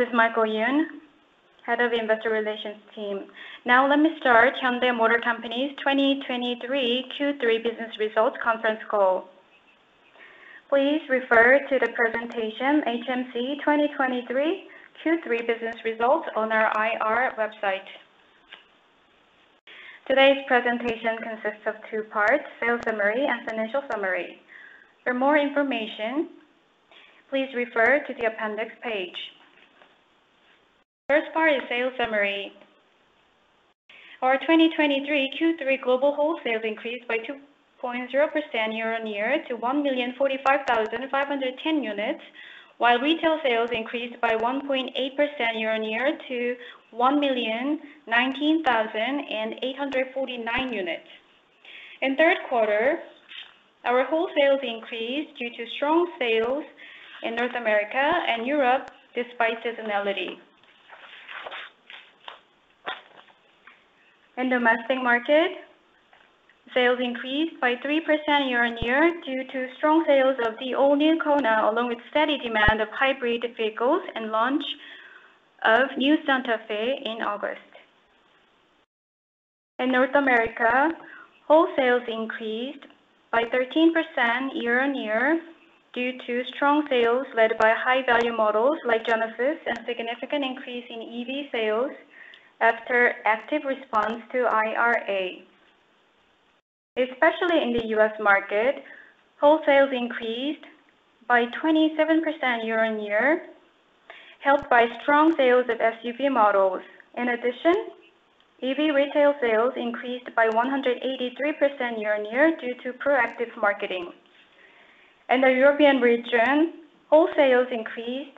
This is Michael Yoon, Head of Investor Relations team. Now let me start Hyundai Motor Company's 2023 Q3 Business Results Conference Call. Please refer to the presentation HMC 2023 Q3 business results on our IR website. Today's presentation consists of two parts: sales summary and financial summary. For more information, please refer to the appendix page. First part is sales summary. Our 2023 Q3 global wholesales increased by 2.0% year-on-year to 1,045,510 units, while retail sales increased by 1.8% year-on-year to 1,019,849 units. In third quarter, our wholesales increased due to strong sales in North America and Europe, despite seasonality. In domestic market, sales increased by 3% year-over-year due to strong sales of the all-new Kona, along with steady demand of hybrid vehicles and launch of new Santa Fe in August. In North America, wholesales increased by 13% year-over-year due to strong sales led by high-value models like Genesis and significant increase in EV sales after active response to IRA. Especially in the U.S. market, wholesales increased by 27% year-over-year, helped by strong sales of SUV models. In addition, EV retail sales increased by 183% year-over-year due to proactive marketing. In the European region, wholesales increased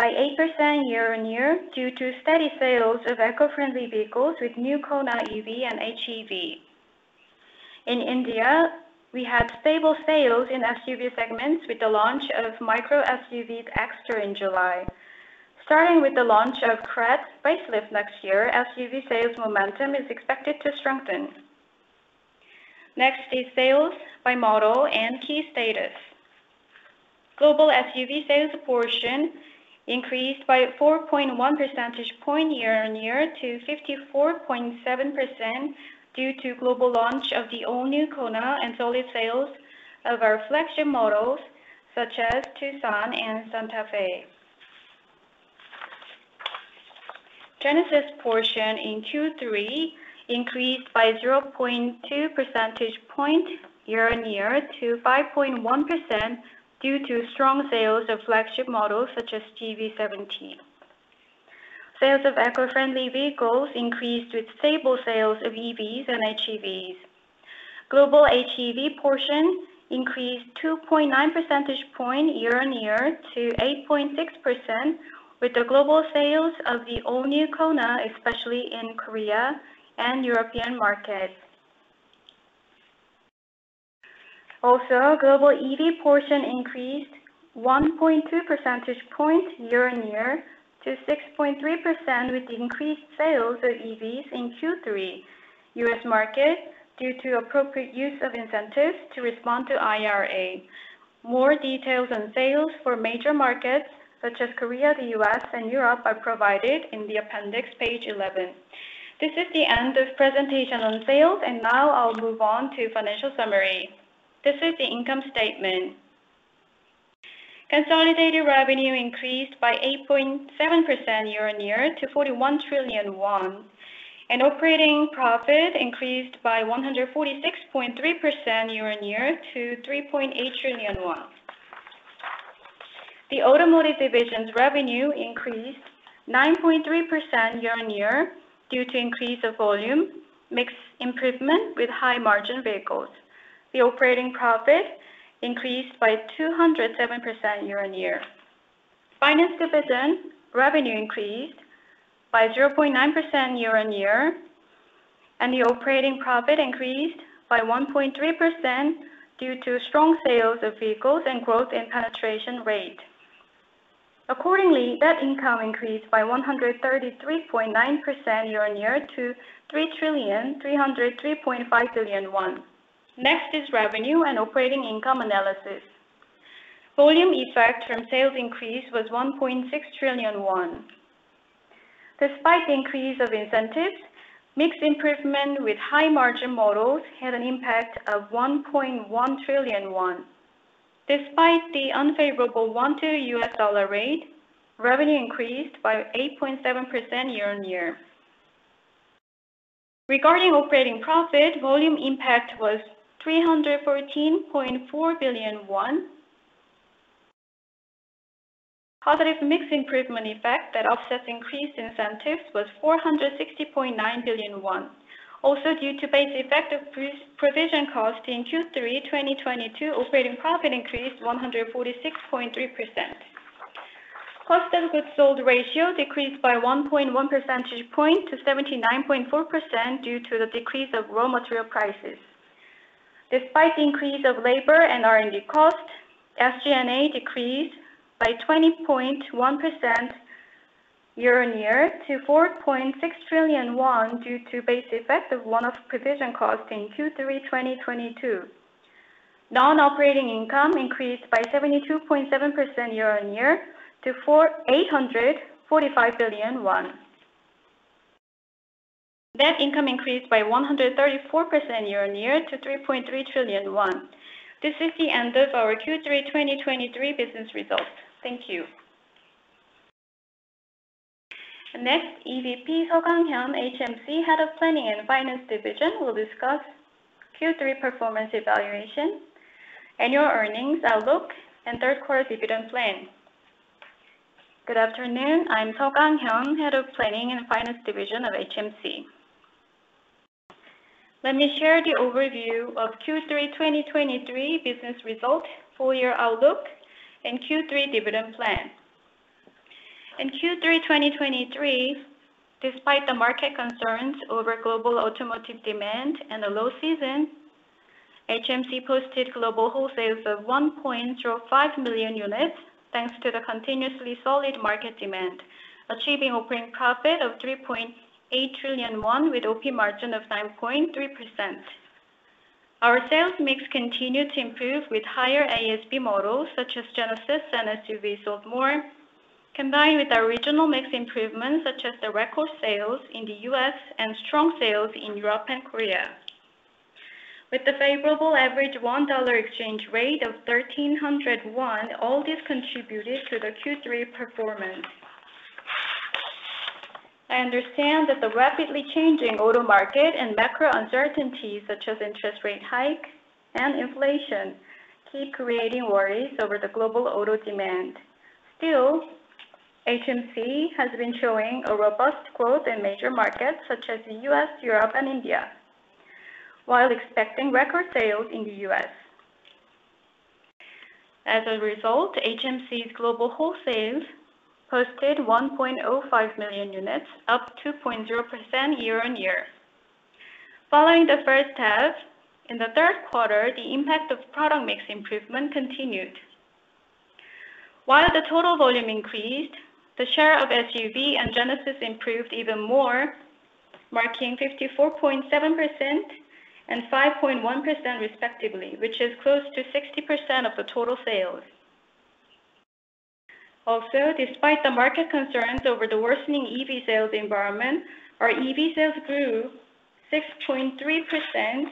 by 8% year-over-year due to steady sales of eco-friendly vehicles with new Kona EV and HEV. In India, we had stable sales in SUV segments with the launch of micro SUV Exter in July. Starting with the launch of Creta facelift next year, SUV sales momentum is expected to strengthen. Next is sales by model and key status. Global SUV sales portion increased by 4.1 percentage point year-on-year to 54.7% due to global launch of the all-new Kona and solid sales of our flagship models, such as Tucson and Santa Fe. Genesis portion in Q3 increased by 0.2 percentage point year-on-year to 5.1% due to strong sales of flagship models such as GV70. Sales of eco-friendly vehicles increased with stable sales of EVs and HEVs. Global HEV portion increased 2.9 percentage point year-on-year to 8.6%, with the global sales of the all-new Kona, especially in Korea and European markets. Also, global EV portion increased 1.2 percentage points year-on-year to 6.3%, with increased sales of EVs in Q3 U.S. market, due to appropriate use of incentives to respond to IRA. More details on sales for major markets such as Korea, the U.S., and Europe, are provided in the appendix, page 11. This is the end of presentation on sales, and now I'll move on to financial summary. This is the income statement. Consolidated revenue increased by 8.7% year-on-year to 41 trillion won, and operating profit increased by 146.3% year-on-year to 3.8 trillion won. The automotive division's revenue increased 9.3% year-on-year due to increase of volume, mix improvement with high-margin vehicles. The operating profit increased by 207% year-on-year. Finance division revenue increased by 0.9% year-on-year, and the operating profit increased by 1.3% due to strong sales of vehicles and growth in penetration rate. Accordingly, net income increased by 133.9% year-on-year to 3,303.5 billion won. Next is revenue and operating income analysis. Volume effect from sales increase was 1.6 trillion won. Despite the increase of incentives, mix improvement with high-margin models had an impact of 1.1 trillion won. Despite the unfavorable won to US dollar rate, revenue increased by 8.7% year-on-year. Regarding operating profit, volume impact was KRW 314.4 billion. Positive mix improvement effect that offsets increased incentives was 460.9 billion won. Also, due to base effect of provision cost in Q3 2022, operating profit increased 146.3%. Cost of goods sold ratio decreased by 1.1 percentage points to 79.4% due to the decrease of raw material prices. Despite the increase of labor and R&D costs, SG&A decreased by 20.1% year-on-year to 4.6 trillion won, due to base effect of one-off provision cost in Q3 2022. Non-operating income increased by 72.7% year-on-year to KRW 4,845 billion. Net income increased by 134% year-on-year to 3.3 trillion won. This is the end of our Q3 2023 business results. Thank you. Next, EVP Gang Hyun Seo, HMC, Head of Planning and Finance Division, will discuss Q3 performance evaluation, annual earnings outlook, and third quarter dividend plan. Good afternoon, I'm Gang Hyun Seo, Head of Planning and Finance Division of HMC. Let me share the overview of Q3 2023 business results, full year outlook, and Q3 dividend plan. In Q3 2023, despite the market concerns over global automotive demand and a low season, HMC posted global wholesales of 1.05 million units, thanks to the continuously solid market demand, achieving operating profit of 3.8 trillion won, with OP margin of 9.3%. Our sales mix continued to improve with higher ASP models such as Genesis and SUVs sold more, combined with our regional mix improvements, such as the record sales in the U.S. and strong sales in Europe and Korea. With the favorable average $1 exchange rate of 1,300 won, all this contributed to the Q3 performance. I understand that the rapidly changing auto market and macro uncertainties, such as interest rate hike and inflation, keep creating worries over the global auto demand. Still, HMC has been showing a robust growth in major markets such as the U.S., Europe, and India, while expecting record sales in the U.S. As a result, HMC's global wholesales posted 1.05 million units, up 2.0% year-on-year. Following the first half, in the third quarter, the impact of product mix improvement continued. While the total volume increased, the share of SUV and Genesis improved even more, marking 54.7% and 5.1% respectively, which is close to 60% of the total sales. Also, despite the market concerns over the worsening EV sales environment, our EV sales grew 6.3%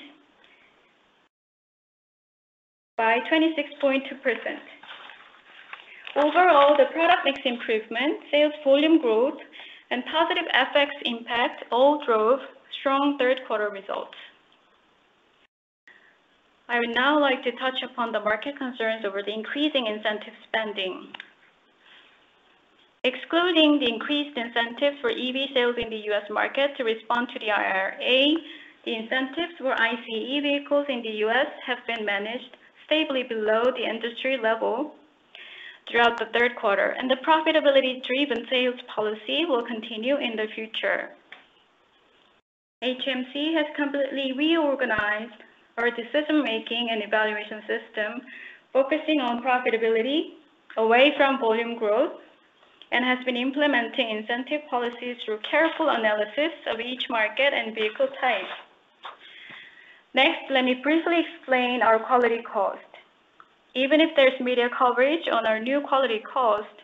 by 26.2%. Overall, the product mix improvement, sales volume growth, and positive FX impact all drove strong third quarter results. I would now like to touch upon the market concerns over the increasing incentive spending. Excluding the increased incentive for EV sales in the U.S. market to respond to the IRA, the incentives for ICE vehicles in the U.S. have been managed stably below the industry level throughout the third quarter, and the profitability-driven sales policy will continue in the future. HMC has completely reorganized our decision-making and evaluation system, focusing on profitability away from volume growth, and has been implementing incentive policies through careful analysis of each market and vehicle type. Next, let me briefly explain our quality cost. Even if there's media coverage on our new quality cost,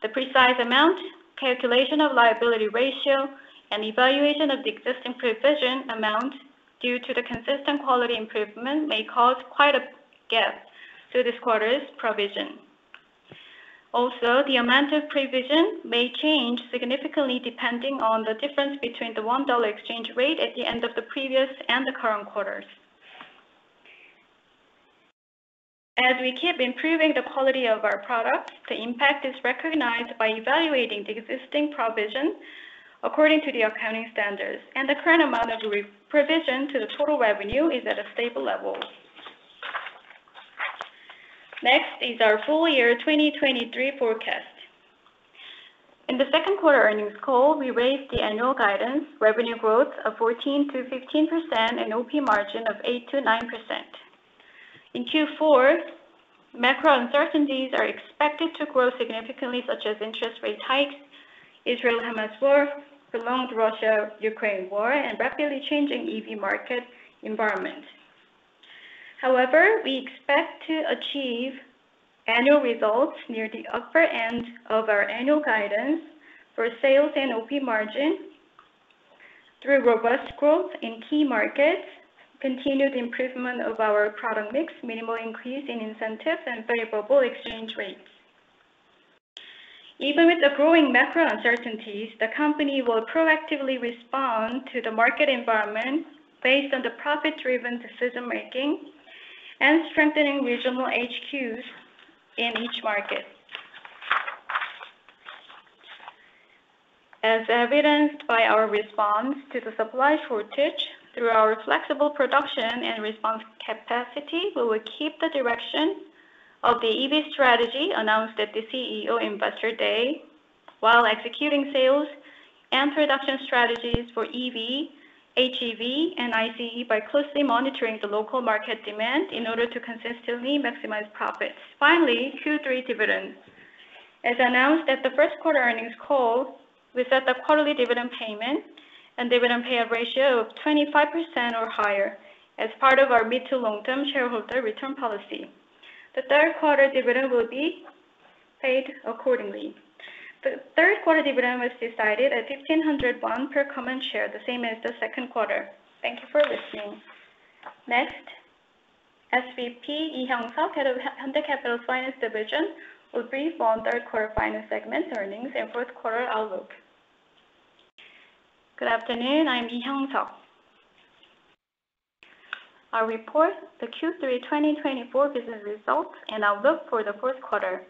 the precise amount, calculation of liability ratio, and evaluation of the existing provision amount due to the consistent quality improvement may cause quite a gap to this quarter's provision. Also, the amount of provision may change significantly depending on the difference between the US dollar exchange rate at the end of the previous and the current quarters. As we keep improving the quality of our products, the impact is recognized by evaluating the existing provision according to the accounting standards, and the current amount of re-provision to the total revenue is at a stable level. Next is our full-year 2023 forecast. In the second quarter earnings call, we raised the annual guidance, revenue growth of 14%-15% and OP margin of 8%-9%. In Q4, macro uncertainties are expected to grow significantly, such as interest rate hikes, Israel-Hamas war, prolonged Russia-Ukraine war, and rapidly changing EV market environment. However, we expect to achieve annual results near the upper end of our annual guidance for sales and OP margin through robust growth in key markets, continued improvement of our product mix, minimal increase in incentives, and favorable exchange rates. Even with the growing macro uncertainties, the company will proactively respond to the market environment based on the profit-driven decision making and strengthening regional HQs in each market. As evidenced by our response to the supply shortage through our flexible production and response capacity, we will keep the direction of the EV strategy announced at the CEO Investor Day, while executing sales and production strategies for EV, HEV, and ICE by closely monitoring the local market demand in order to consistently maximize profits. Finally, Q3 dividends. As announced at the first quarter earnings call, we set the quarterly dividend payment and dividend payout ratio of 25% or higher as part of our mid to long-term shareholder return policy. The third quarter dividend will be paid accordingly. The third quarter dividend was decided at 1,500 won per common share, the same as the second quarter. Thank you for listening. Next, SVP Lee Hyung-seok, Head of Hyundai Capital Finance Division, will brief on third quarter finance segment earnings and fourth quarter outlook. Good afternoon, I'm Lee Hyung-seok. I'll report the Q3 2024 business results and outlook for the fourth quarter.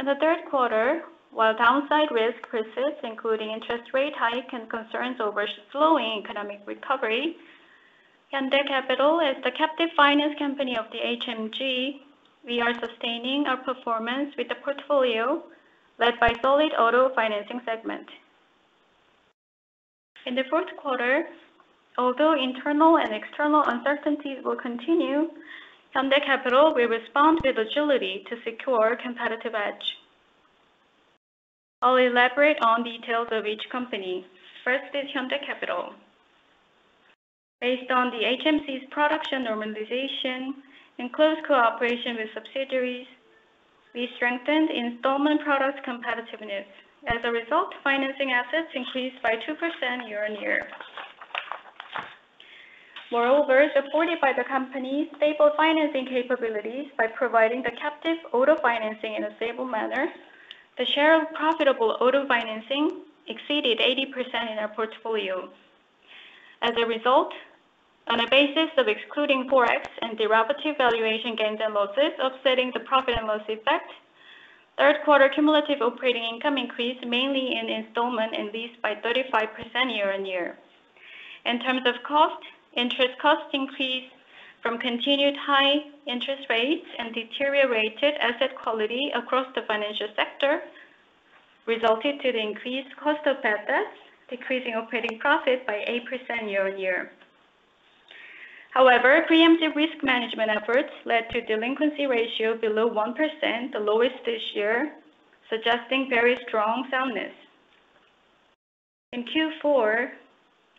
In the third quarter, while downside risk persists, including interest rate hike and concerns over slowing economic recovery, Hyundai Capital is the captive finance company of the HMG. We are sustaining our performance with a portfolio led by solid auto financing segment. In the fourth quarter, although internal and external uncertainties will continue, Hyundai Capital will respond with agility to secure competitive edge. I'll elaborate on details of each company. First is Hyundai Capital. Based on the HMC's production normalization and close cooperation with subsidiaries, we strengthened installment products competitiveness. As a result, financing assets increased by 2% year-on-year. Moreover, supported by the company's stable financing capabilities by providing the captive auto financing in a stable manner, the share of profitable auto financing exceeded 80% in our portfolio. As a result, on a basis of excluding Forex and derivative valuation gains and losses, offsetting the profit and loss effect, third quarter cumulative operating income increased, mainly in installment and lease, by 35% year-on-year. In terms of cost, interest costs increased from continued high interest rates and deteriorated asset quality across the financial sector, resulted to the increased cost of bad debts, decreasing operating profit by 8% year-on-year. However, preemptive risk management efforts led to delinquency ratio below 1%, the lowest this year, suggesting very strong soundness. In Q4,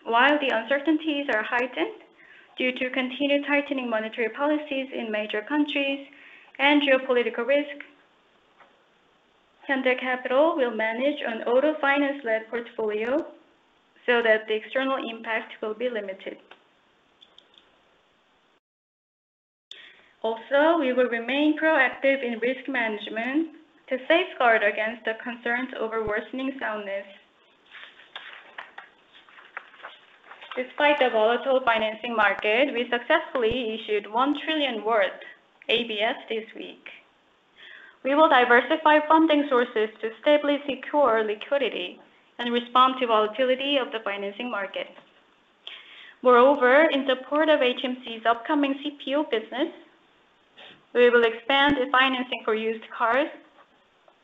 while the uncertainties are heightened due to continued tightening monetary policies in major countries and geopolitical risk, Hyundai Capital will manage an auto finance-led portfolio so that the external impact will be limited. Also, we will remain proactive in risk management to safeguard against the concerns over worsening soundness. Despite the volatile financing market, we successfully issued 1 trillion worth ABS this week. We will diversify funding sources to stably secure liquidity and respond to volatility of the financing market. Moreover, in support of HMC's upcoming CPO business, we will expand the financing for used cars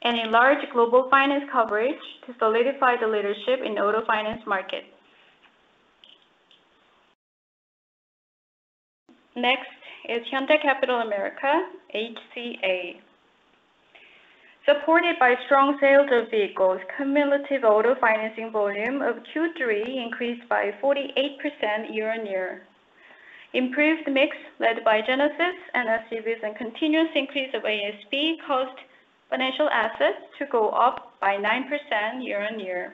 and enlarge global finance coverage to solidify the leadership in auto finance market. Next is Hyundai Capital America, HCA. Supported by strong sales of vehicles, cumulative auto financing volume of Q3 increased by 48% year-on-year. Improved mix, led by Genesis and SUVs, and continuous increase of ASP, caused financial assets to go up by 9% year-on-year.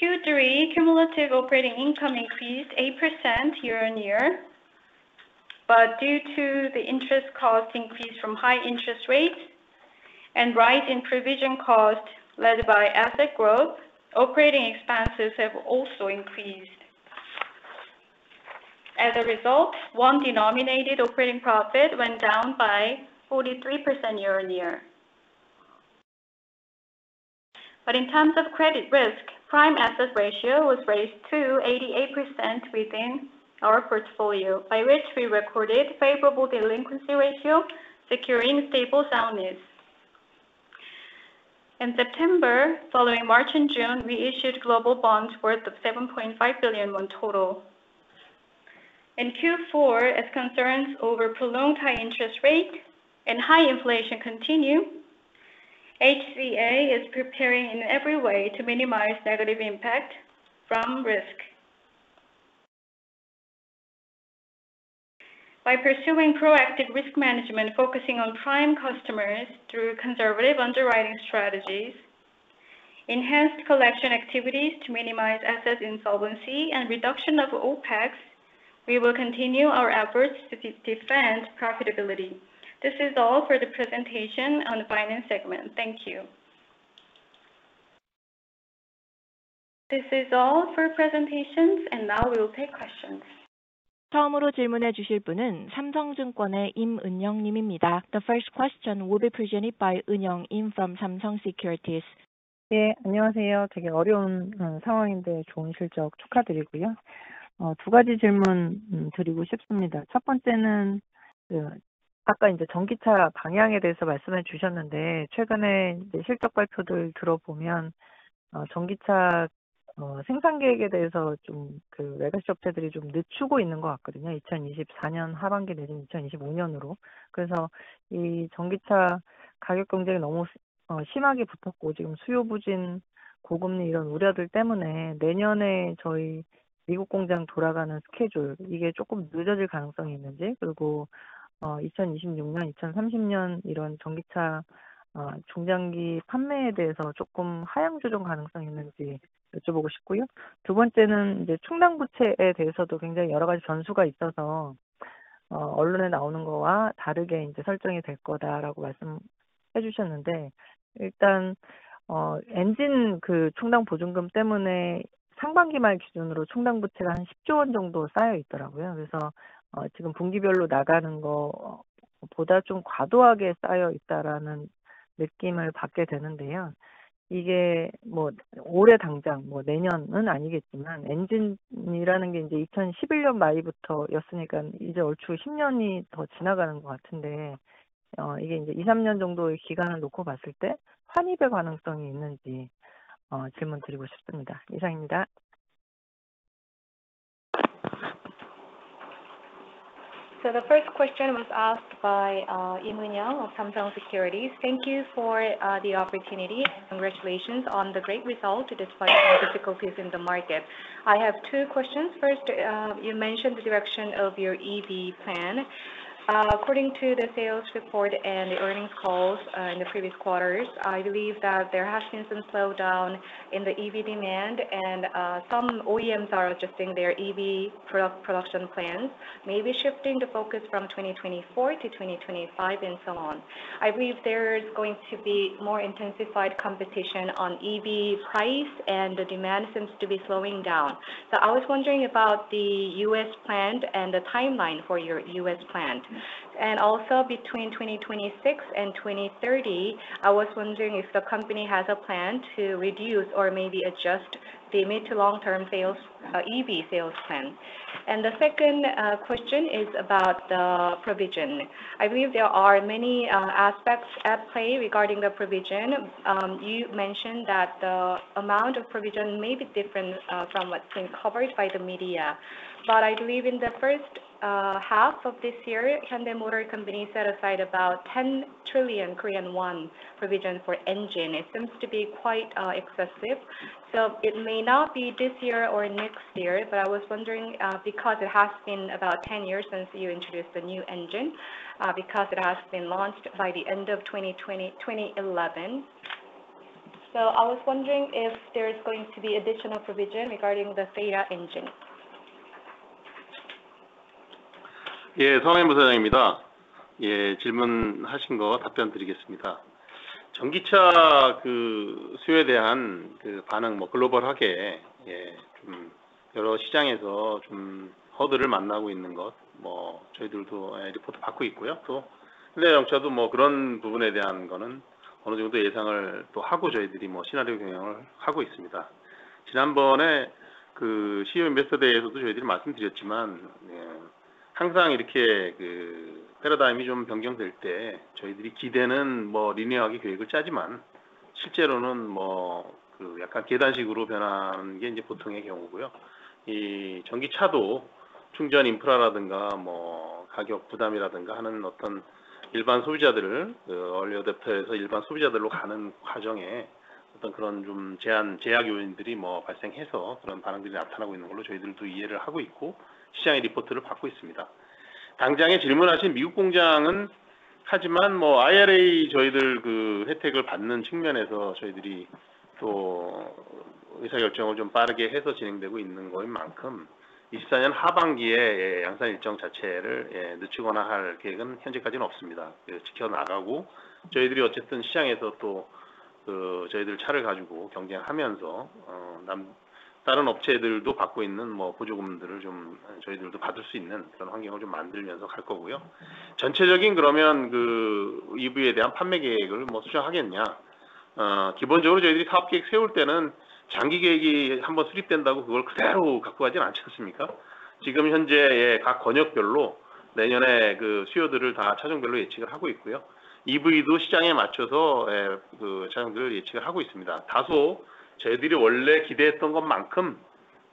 Q3 cumulative operating income increased 8% year-on-year, but due to the interest cost increase from high interest rates and rise in provision cost led by asset growth, operating expenses have also increased. As a result, won-denominated operating profit went down by 43% year-on-year. But in terms of credit risk, prime asset ratio was raised to 88% within our portfolio, by which we recorded favorable delinquency ratio, securing stable soundness. In September, following March and June, we issued global bonds worth of 7.5 billion won total. In Q4, as concerns over prolonged high interest rates and high inflation continue, HCA is preparing in every way to minimize negative impact from risk. By pursuing proactive risk management, focusing on prime customers through conservative underwriting strategies, enhanced collection activities to minimize asset insolvency and reduction of OpEx, we will continue our efforts to defend profitability. This is all for the presentation on the finance segment. Thank you. This is all for presentations, and now we will take questions. The first question will be presented by Eun Young Lim from Samsung Securities. 전기차, 생산 계획에 대해서 좀그 외산 업체들이 좀 늦추고 있는 것 같거든요. 2024년 하반기 내지는 2025년으로. 그래서 이 전기차 가격 경쟁이 너무 심하게 붙었고, 지금 수요 부진, 고금리 이런 우려들 때문에 내년에 저희 미국 공장 돌아가는 스케줄, 이게 조금 늦어질 가능성이 있는지, 그리고 2026년, 2023년 이런 전기차 중장기 판매에 대해서 조금 하향 조정 가능성이 있는지 여쭤보고 싶고요. 두 번째는 이제 충당부채에 대해서도 굉장히 여러 가지 전수가 있어서 언론에 나오는 거와 다르게 이제 설정이 될 거다라고 말씀해주셨는데, 일단 엔진 그 충당보증금 때문에 상반기 말 기준으로 충당부채가 10 trillion 정도 쌓여 있더라고요. 그래서 지금 분기별로 나가는 거보다 좀 과도하게 쌓여 있다라는 느낌을 받게 되는데요. 이게 뭐 올해 당장, 뭐 내년은 아니겠지만 엔진이라는 게 이제 2011년 말부터였으니깐 이제 얼추 10년이 더 지나가는 것 같은데. 이게 이제 3년 정도의 기간을 놓고 봤을 때 환입될 가능성이 있는지 질문드리고 싶습니다. 이상입니다. So the first question was asked by Eun Young Lim of Samsung Securities. Thank you for the opportunity. Congratulations on the great result despite the difficulties in the market. I have two questions. First, you mentioned the direction of your EV plan. According to the sales report and the earnings calls in the previous quarters, I believe that there has been some slowdown in the EV demand, and some OEMs are adjusting their EV production plans, maybe shifting the focus from 2024 to 2025 and so on. I believe there is going to be more intensified competition on EV price, and the demand seems to be slowing down. So I was wondering about the U.S. plant and the timeline for your U.S. plant, and also between 2026 and 2030. I was wondering if the company has a plan to reduce or maybe adjust the mid- to long-term sales, EV sales plan. And the second question is about the provision. I believe there are many aspects at play regarding the provision. You mentioned that the amount of provision may be different from what's been covered by the media, but I believe in the first half of this year, Hyundai Motor Company set aside about 10 trillion Korean won provision for engine. It seems to be quite excessive, so it may not be this year or next year. But I was wondering, because it has been about 10 years since you introduced the new engine, because it has been launched by the end of 2020-2011. I was wondering if there is going to be additional provision regarding the Theta engine? 예, 성현모 사장입니다. 예, 질문하신 거 답변드리겠습니다. 전기차 수요에 대한 그 반응, 뭐 글로벌하게 예, 여러 시장에서 좀 허들을 만나고 있는 것, 뭐 저희들도 리포트 받고 있고요. 또 현대자동차도 뭐 그런 부분에 대한 거는 어느 정도 예상을 또 하고, 저희들이 뭐 시나리오 경영을 하고 있습니다. 지난번에 그 CEO 메시지에서도 저희들이 말씀드렸지만, 예, 항상 이렇게 그 패러다임이 좀 변경될 때 저희들이 기대는 뭐 리니어하게 계획을 짜지만, 실제로는 뭐그 약간 계단식으로 변하는 게 이제 보통의 경우고요. 이 전기차도 충전 인프라라든가 뭐 가격 부담이라든가 하는 어떤 일반 소비자들을 얼리 어댑터에서 일반 소비자들로 가는 과정에 어떤 그런 좀 제한, 제약 요인들이 뭐 발생해서 그런 반응들이 나타나고 있는 걸로 저희들도 이해를 하고 있고, 시장의 리포트를 받고 있습니다. 당장에 질문하신 미국 공장은 하지만 뭐 IRA 저희들 그 혜택을 받는 측면에서 저희들이 또 의사결정을 좀 빠르게 해서 진행되고 있는 것인 만큼 2024년 하반기에 예, 양산 일정 자체를 예, 늦추거나 할 계획은 현재까지는 없습니다. 그래서 지켜나가고, 저희들이 어쨌든 시장에서 또그 저희들 차를 가지고 경쟁하면서 다른 업체들도 받고 있는 보조금들을 좀 저희들도 받을 수 있는 그런 환경을 좀 만들면서 갈 거고요. 전체적인, 그러면 그 EV에 대한 판매 계획을 수정하겠냐? 기본적으로 저희들이 사업계획 세울 때는 장기 계획이 한번 수립된다고 그걸 그대로 갖고 가지는 않지 않습니까? 지금 현재 각 권역별로 내년에 그 수요들을 다 차종별로 예측을 하고 있고요. EV도 시장에 맞춰서 그 차종들을 예측을 하고 있습니다. 다소 저희들이 원래 기대했던 것만큼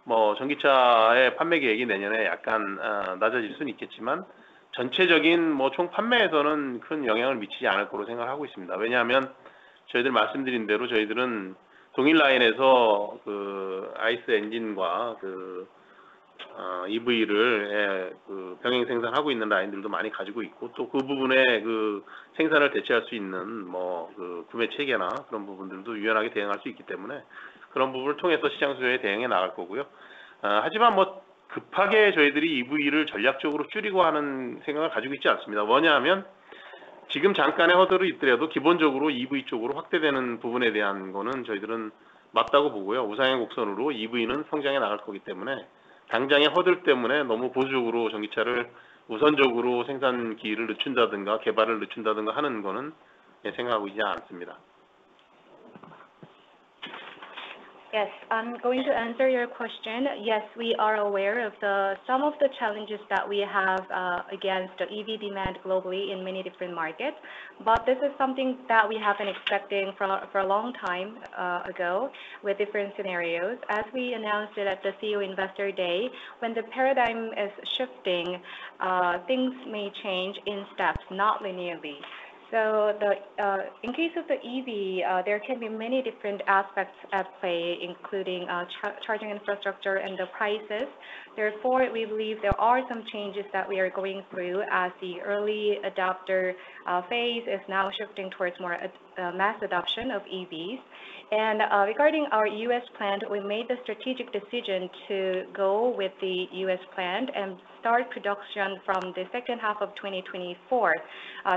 전기차의 판매 계획이 내년에 약간 낮아질 수는 있겠지만, 전체적인 총 판매에서는 큰 영향을 미치지 않을 것으로 생각을 하고 있습니다. 왜냐하면 저희들 말씀드린 대로 저희들은 동일 라인에서 그 ICE 엔진과 그 EV를 예, 그 병행 생산하고 있는 라인들도 많이 가지고 있고, 또그 부분에 그 생산을 대체할 수 있는 뭐그 구매 체계나 그런 부분들도 유연하게 대응할 수 있기 때문에, 그런 부분을 통해서 시장 수요에 대응해 나갈 거고요. 하지만 뭐 급하게 저희들이 EV를 전략적으로 줄이고 하는 생각을 가지고 있지 않습니다. 뭐냐하면, 지금 잠깐의 허들은 있더라도 기본적으로 EV 쪽으로 확대되는 부분에 대한 거는 저희들은 맞다고 보고요. 우상향 곡선으로 EV는 성장해 나갈 거기 때문에 당장의 허들 때문에 너무 보수적으로 전기차를 우선적으로 생산 기일을 늦춘다든가, 개발을 늦춘다든가 하는 거는 예, 생각하고 있지 않습니다. Yes, I'm going to answer your question. Yes, we are aware of the some of the challenges that we have against the EV demand globally in many different markets. But this is something that we have been expecting for a long time ago with different scenarios. As we announced it at the CEO Investor Day, when the paradigm is shifting, things may change in steps, not linearly. So in case of the EV, there can be many different aspects at play, including charging infrastructure and the prices. Therefore, we believe there are some changes that we are going through as the early adopter phase is now shifting towards more mass adoption of EVs. Regarding our U.S. plant, we made the strategic decision to go with the U.S. plant and start production from the second half of 2024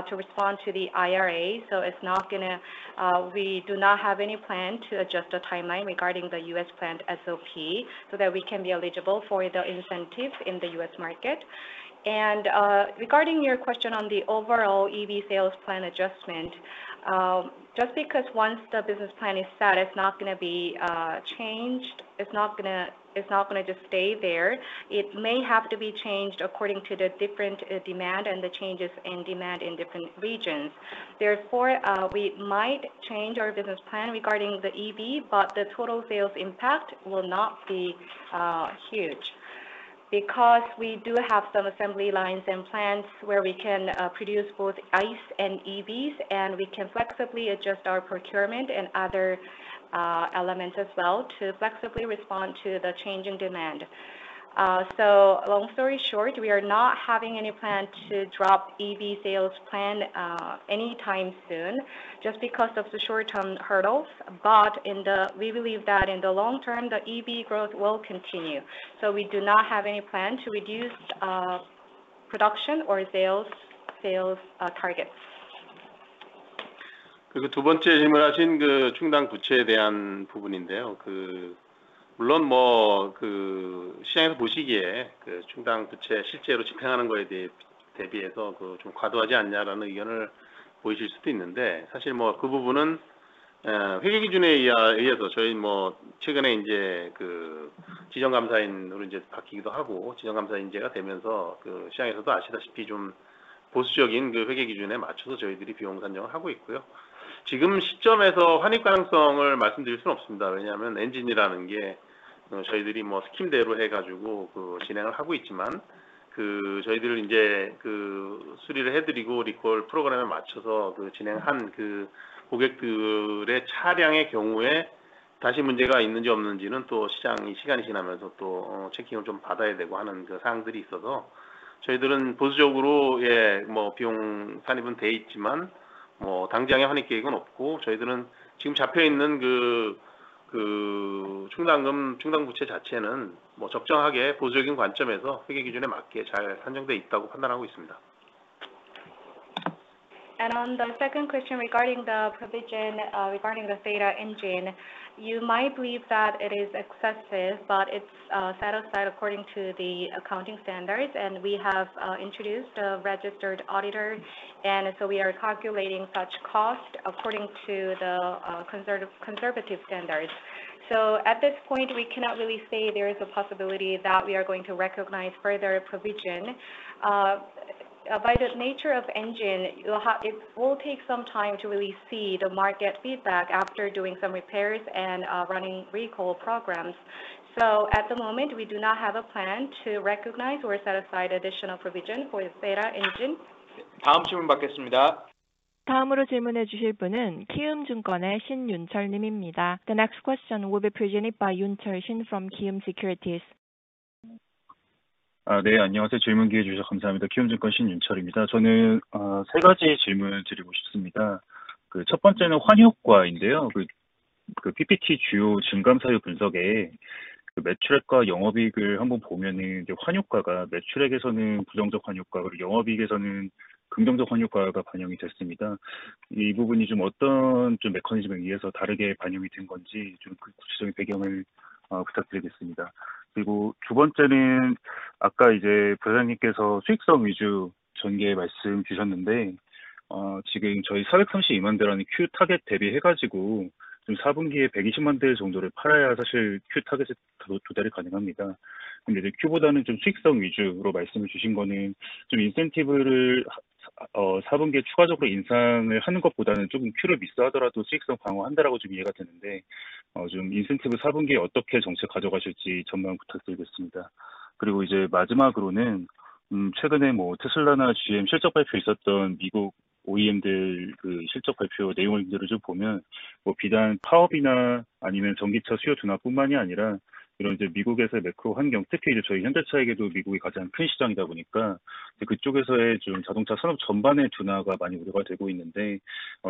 to respond to the IRA. So we do not have any plan to adjust the timeline regarding the U.S. plant SOP, so that we can be eligible for the incentives in the U.S. market. Regarding your question on the overall EV sales plan adjustment, just because once the business plan is set, it's not gonna be changed, it's not gonna just stay there. It may have to be changed according to the different demand and the changes in demand in different regions. Therefore, we might change our business plan regarding the EV, but the total sales impact will not be huge. Because we do have some assembly lines and plants where we can produce both ICE and EVs, and we can flexibly adjust our procurement and other elements as well to flexibly respond to the change in demand. So long story short, we are not having any plan to drop EV sales plan anytime soon just because of the short-term hurdles. But we believe that in the long term, the EV growth will continue, so we do not have any plan to reduce production or sales targets. 그리고 두 번째 질문하신 그 충당 부채에 대한 부분인데요. 그. 물론 뭐그 시장에서 보시기에 그 충당부채 실제로 집행하는 거에 대해 대비해서 그좀 과도하지 않냐라는 의견을 보이실 수도 있는데, 사실 뭐그 부분은, 회계 기준에 의해서 저희 뭐 최근에 이제 그 지정 감사인으로 이제 바뀌기도 하고, 지정 감사인제가 되면서 그 시장에서도 아시다시피 좀 보수적인 그 회계 기준에 맞춰서 저희들이 비용 산정을 하고 있고요. 지금 시점에서 환입 가능성을 말씀드릴 수는 없습니다. 왜냐하면 엔진이라는 게, 저희들이 스케줄대로 해가지고 그 진행을 하고 있지만, 저희들은 이제 그 수리를 해드리고 리콜 프로그램에 맞춰서 그 진행한 고객들의 차량의 경우에 다시 문제가 있는지 없는지는 또 시장이 시간이 지나면서 또, 체크를 좀 받아야 되고 하는 그 사항들이 있어서, 저희들은 보수적으로 비용 산입은 돼 있지만, 당장의 환입 계획은 없고, 저희들은 지금 잡혀있는 그 충당금, 충당부채 자체는 적정하게 보수적인 관점에서 회계 기준에 맞게 잘 산정돼 있다고 판단하고 있습니다. On the second question regarding the provision, regarding the Theta Engine, you might believe that it is excessive, but it's set aside according to the accounting standards, and we have introduced a registered auditor, and so we are calculating such cost according to the conservative, conservative standards. So at this point, we cannot really say there is a possibility that we are going to recognize further provision. By the nature of engine, it will take some time to really see the market feedback after doing some repairs and running recall programs. So at the moment, we do not have a plan to recognize or set aside additional provision for Theta Engine. 다음 질문 받겠습니다. 다음으로 질문해 주실 분은 키움증권의 신윤철 님입니다. The next question will be presented by Yoon Chul Shin from Kiwoom Securities. exchange rate effect has been reflected, as a negative exchange rate effect in revenue and a positive exchange rate effect in operating profit. Could you please provide the specific background on by what kind of mechanism this part was reflected differently? And the second is, earlier the Vice President mentioned a profitability-focused strategy, now compared to our Q target of 4.32 million units, in the fourth quarter we need to sell about 1.2 million units to actually reach the Q target. But since you mentioned focusing more on profitability than Q, I understand it as strengthening profitability even if we miss Q a little, rather than additionally increasing incentives in the fourth quarter, could you please provide your outlook on how you will handle the incentive policy in the fourth quarter? 그리고 이제 마지막으로는, 최근에 뭐 테슬라나 GM 실적 발표 있었던 미국 OEM들 그 실적 발표 내용을 좀 보면, 뭐 비단 파업이나 아니면 전기차 수요 둔화뿐만이 아니라, 이런 이제 미국에서의 매크로 환경, 특히 이제 저희 현대차에게도 미국이 가장 큰 시장이다 보니까 그쪽에서의 좀 자동차 산업 전반의 둔화가 많이 우려가 되고 있는데.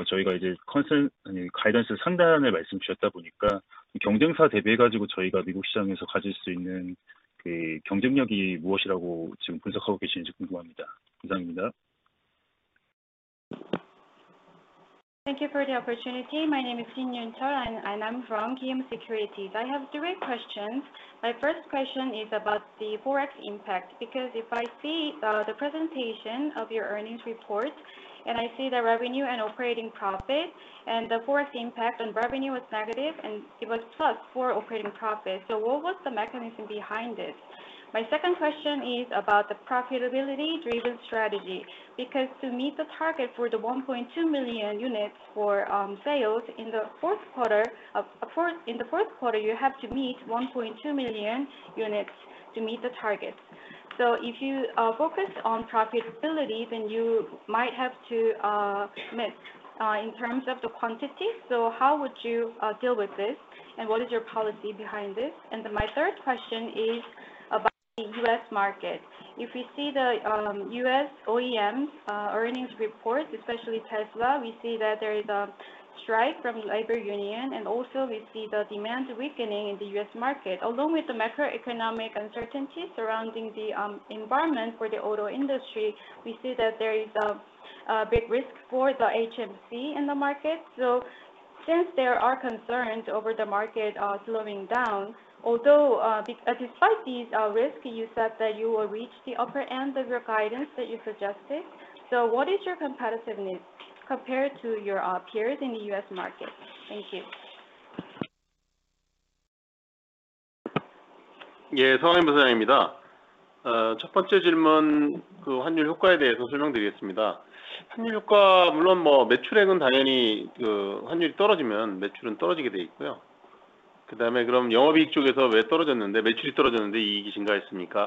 저희가 이제 가이던스를 상단을 말씀 주셨다 보니까, 경쟁사 대비해가지고 저희가 미국 시장에서 가질 수 있는 그 경쟁력이 무엇이라고 지금 분석하고 계시는지 궁금합니다. 감사합니다. Thank you for the opportunity. My name is Yoon Chul Shin, and I'm from Kiwoom Securities. I have- questions. My first question is about the Forex impact, because if I see the presentation of your earnings report, and I see the revenue and operating profit, and the Forex impact on revenue was negative, and it was plus for operating profit. So what was the mechanism behind this? My second question is about the profitability-driven strategy, because to meet the target for the 1.2 million units for sales in the fourth quarter, you have to meet 1.2 million units to meet the target. So if you focus on profitability, then you might have to miss in terms of the quantity. So how would you deal with this, and what is your policy behind this? And then my third question is about the U.S. market. If we see the U.S. OEM earnings report, especially Tesla, we see that there is a strike from the labor union, and also we see the demand weakening in the U.S. market. Along with the macroeconomic uncertainty surrounding the environment for the auto industry, we see that there is a big risk for the HMC in the market. So since there are concerns over the market slowing down, although despite these risk, you said that you will reach the upper end of your guidance that you suggested. So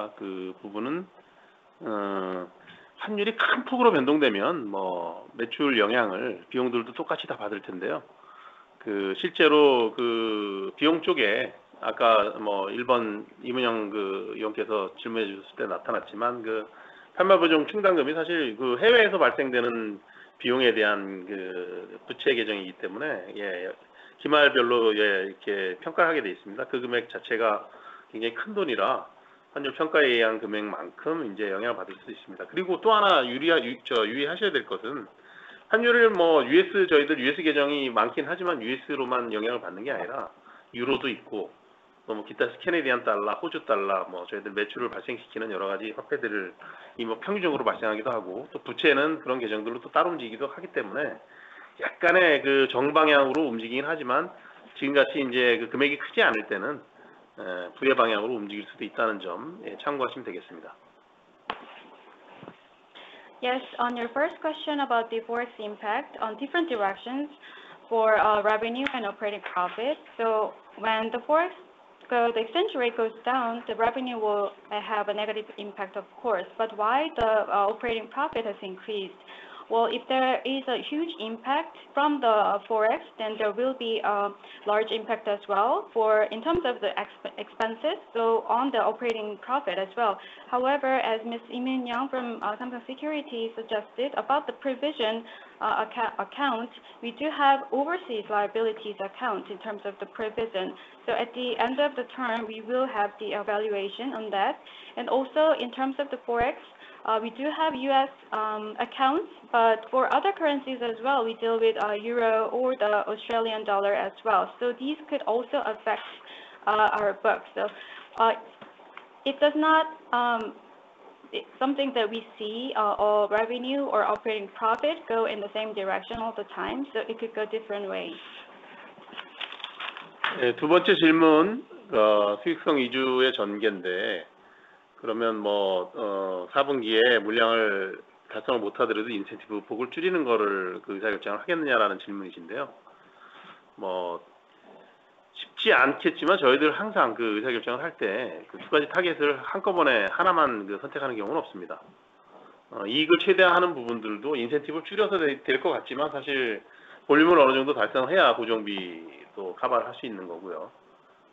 what is your competitiveness compared to your peers in the U.S. market? Thank you. Yes, Uh, Yes, on your first question about the Forex impact on different directions for revenue and operating profit. So when the Forex goes, the exchange rate goes down, the revenue will have a negative impact, of course. But why the operating profit has increased? Well, if there is a huge impact from the Forex, then there will be a large impact as well for in terms of the expenses, so on the operating profit as well. However, as Miss Eun Young Yim from Samsung Securities suggested about the provision accounts, we do have overseas liabilities account in terms of the provision. So at the end of the term, we will have the evaluation on that. And also in terms of the Forex, we do have U.S., accounts, but for other currencies as well, we deal with, Euro or the Australian dollar as well. So these could also affect, our books. So, it does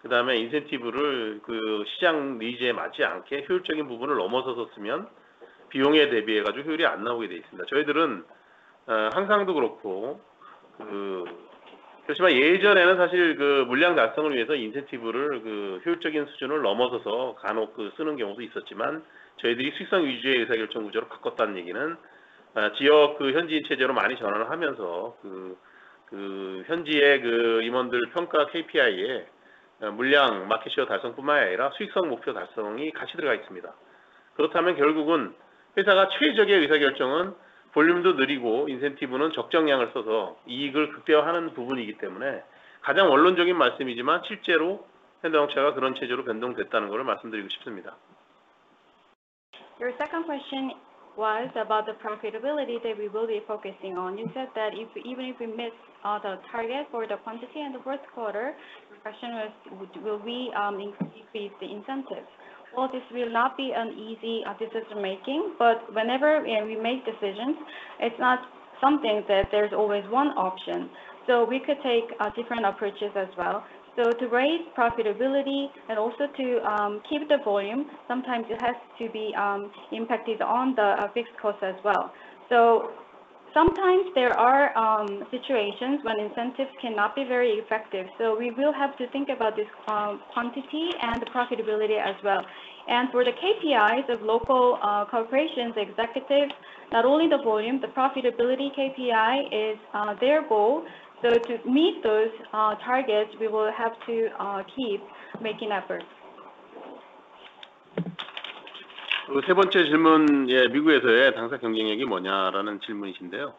not, it's something that we see, all revenue or operating profit go in the same direction all the time, so it could go different ways. Your second question was about the profitability that we will be focusing on. You said that if even if we miss, the target for the quantity in the fourth quarter, the question was, would- will we, increase the incentives? Well, this will not be an easy decision-making, but whenever, we make decisions, it's not something that there's always one option. So we could take, different approaches as well. So to raise profitability and also to keep the volume, sometimes it has to be impacted on the fixed cost as well. So sometimes there are situations when incentives cannot be very effective, so we will have to think about this quantity and the profitability as well. And for the KPIs of local corporations, executives, not only the volume, the profitability KPI is their goal. So to meet those targets, we will have to keep making efforts. 그세 번째 질문, 예, 미국에서의 당사 경쟁력이 뭐냐라는 질문이신데요.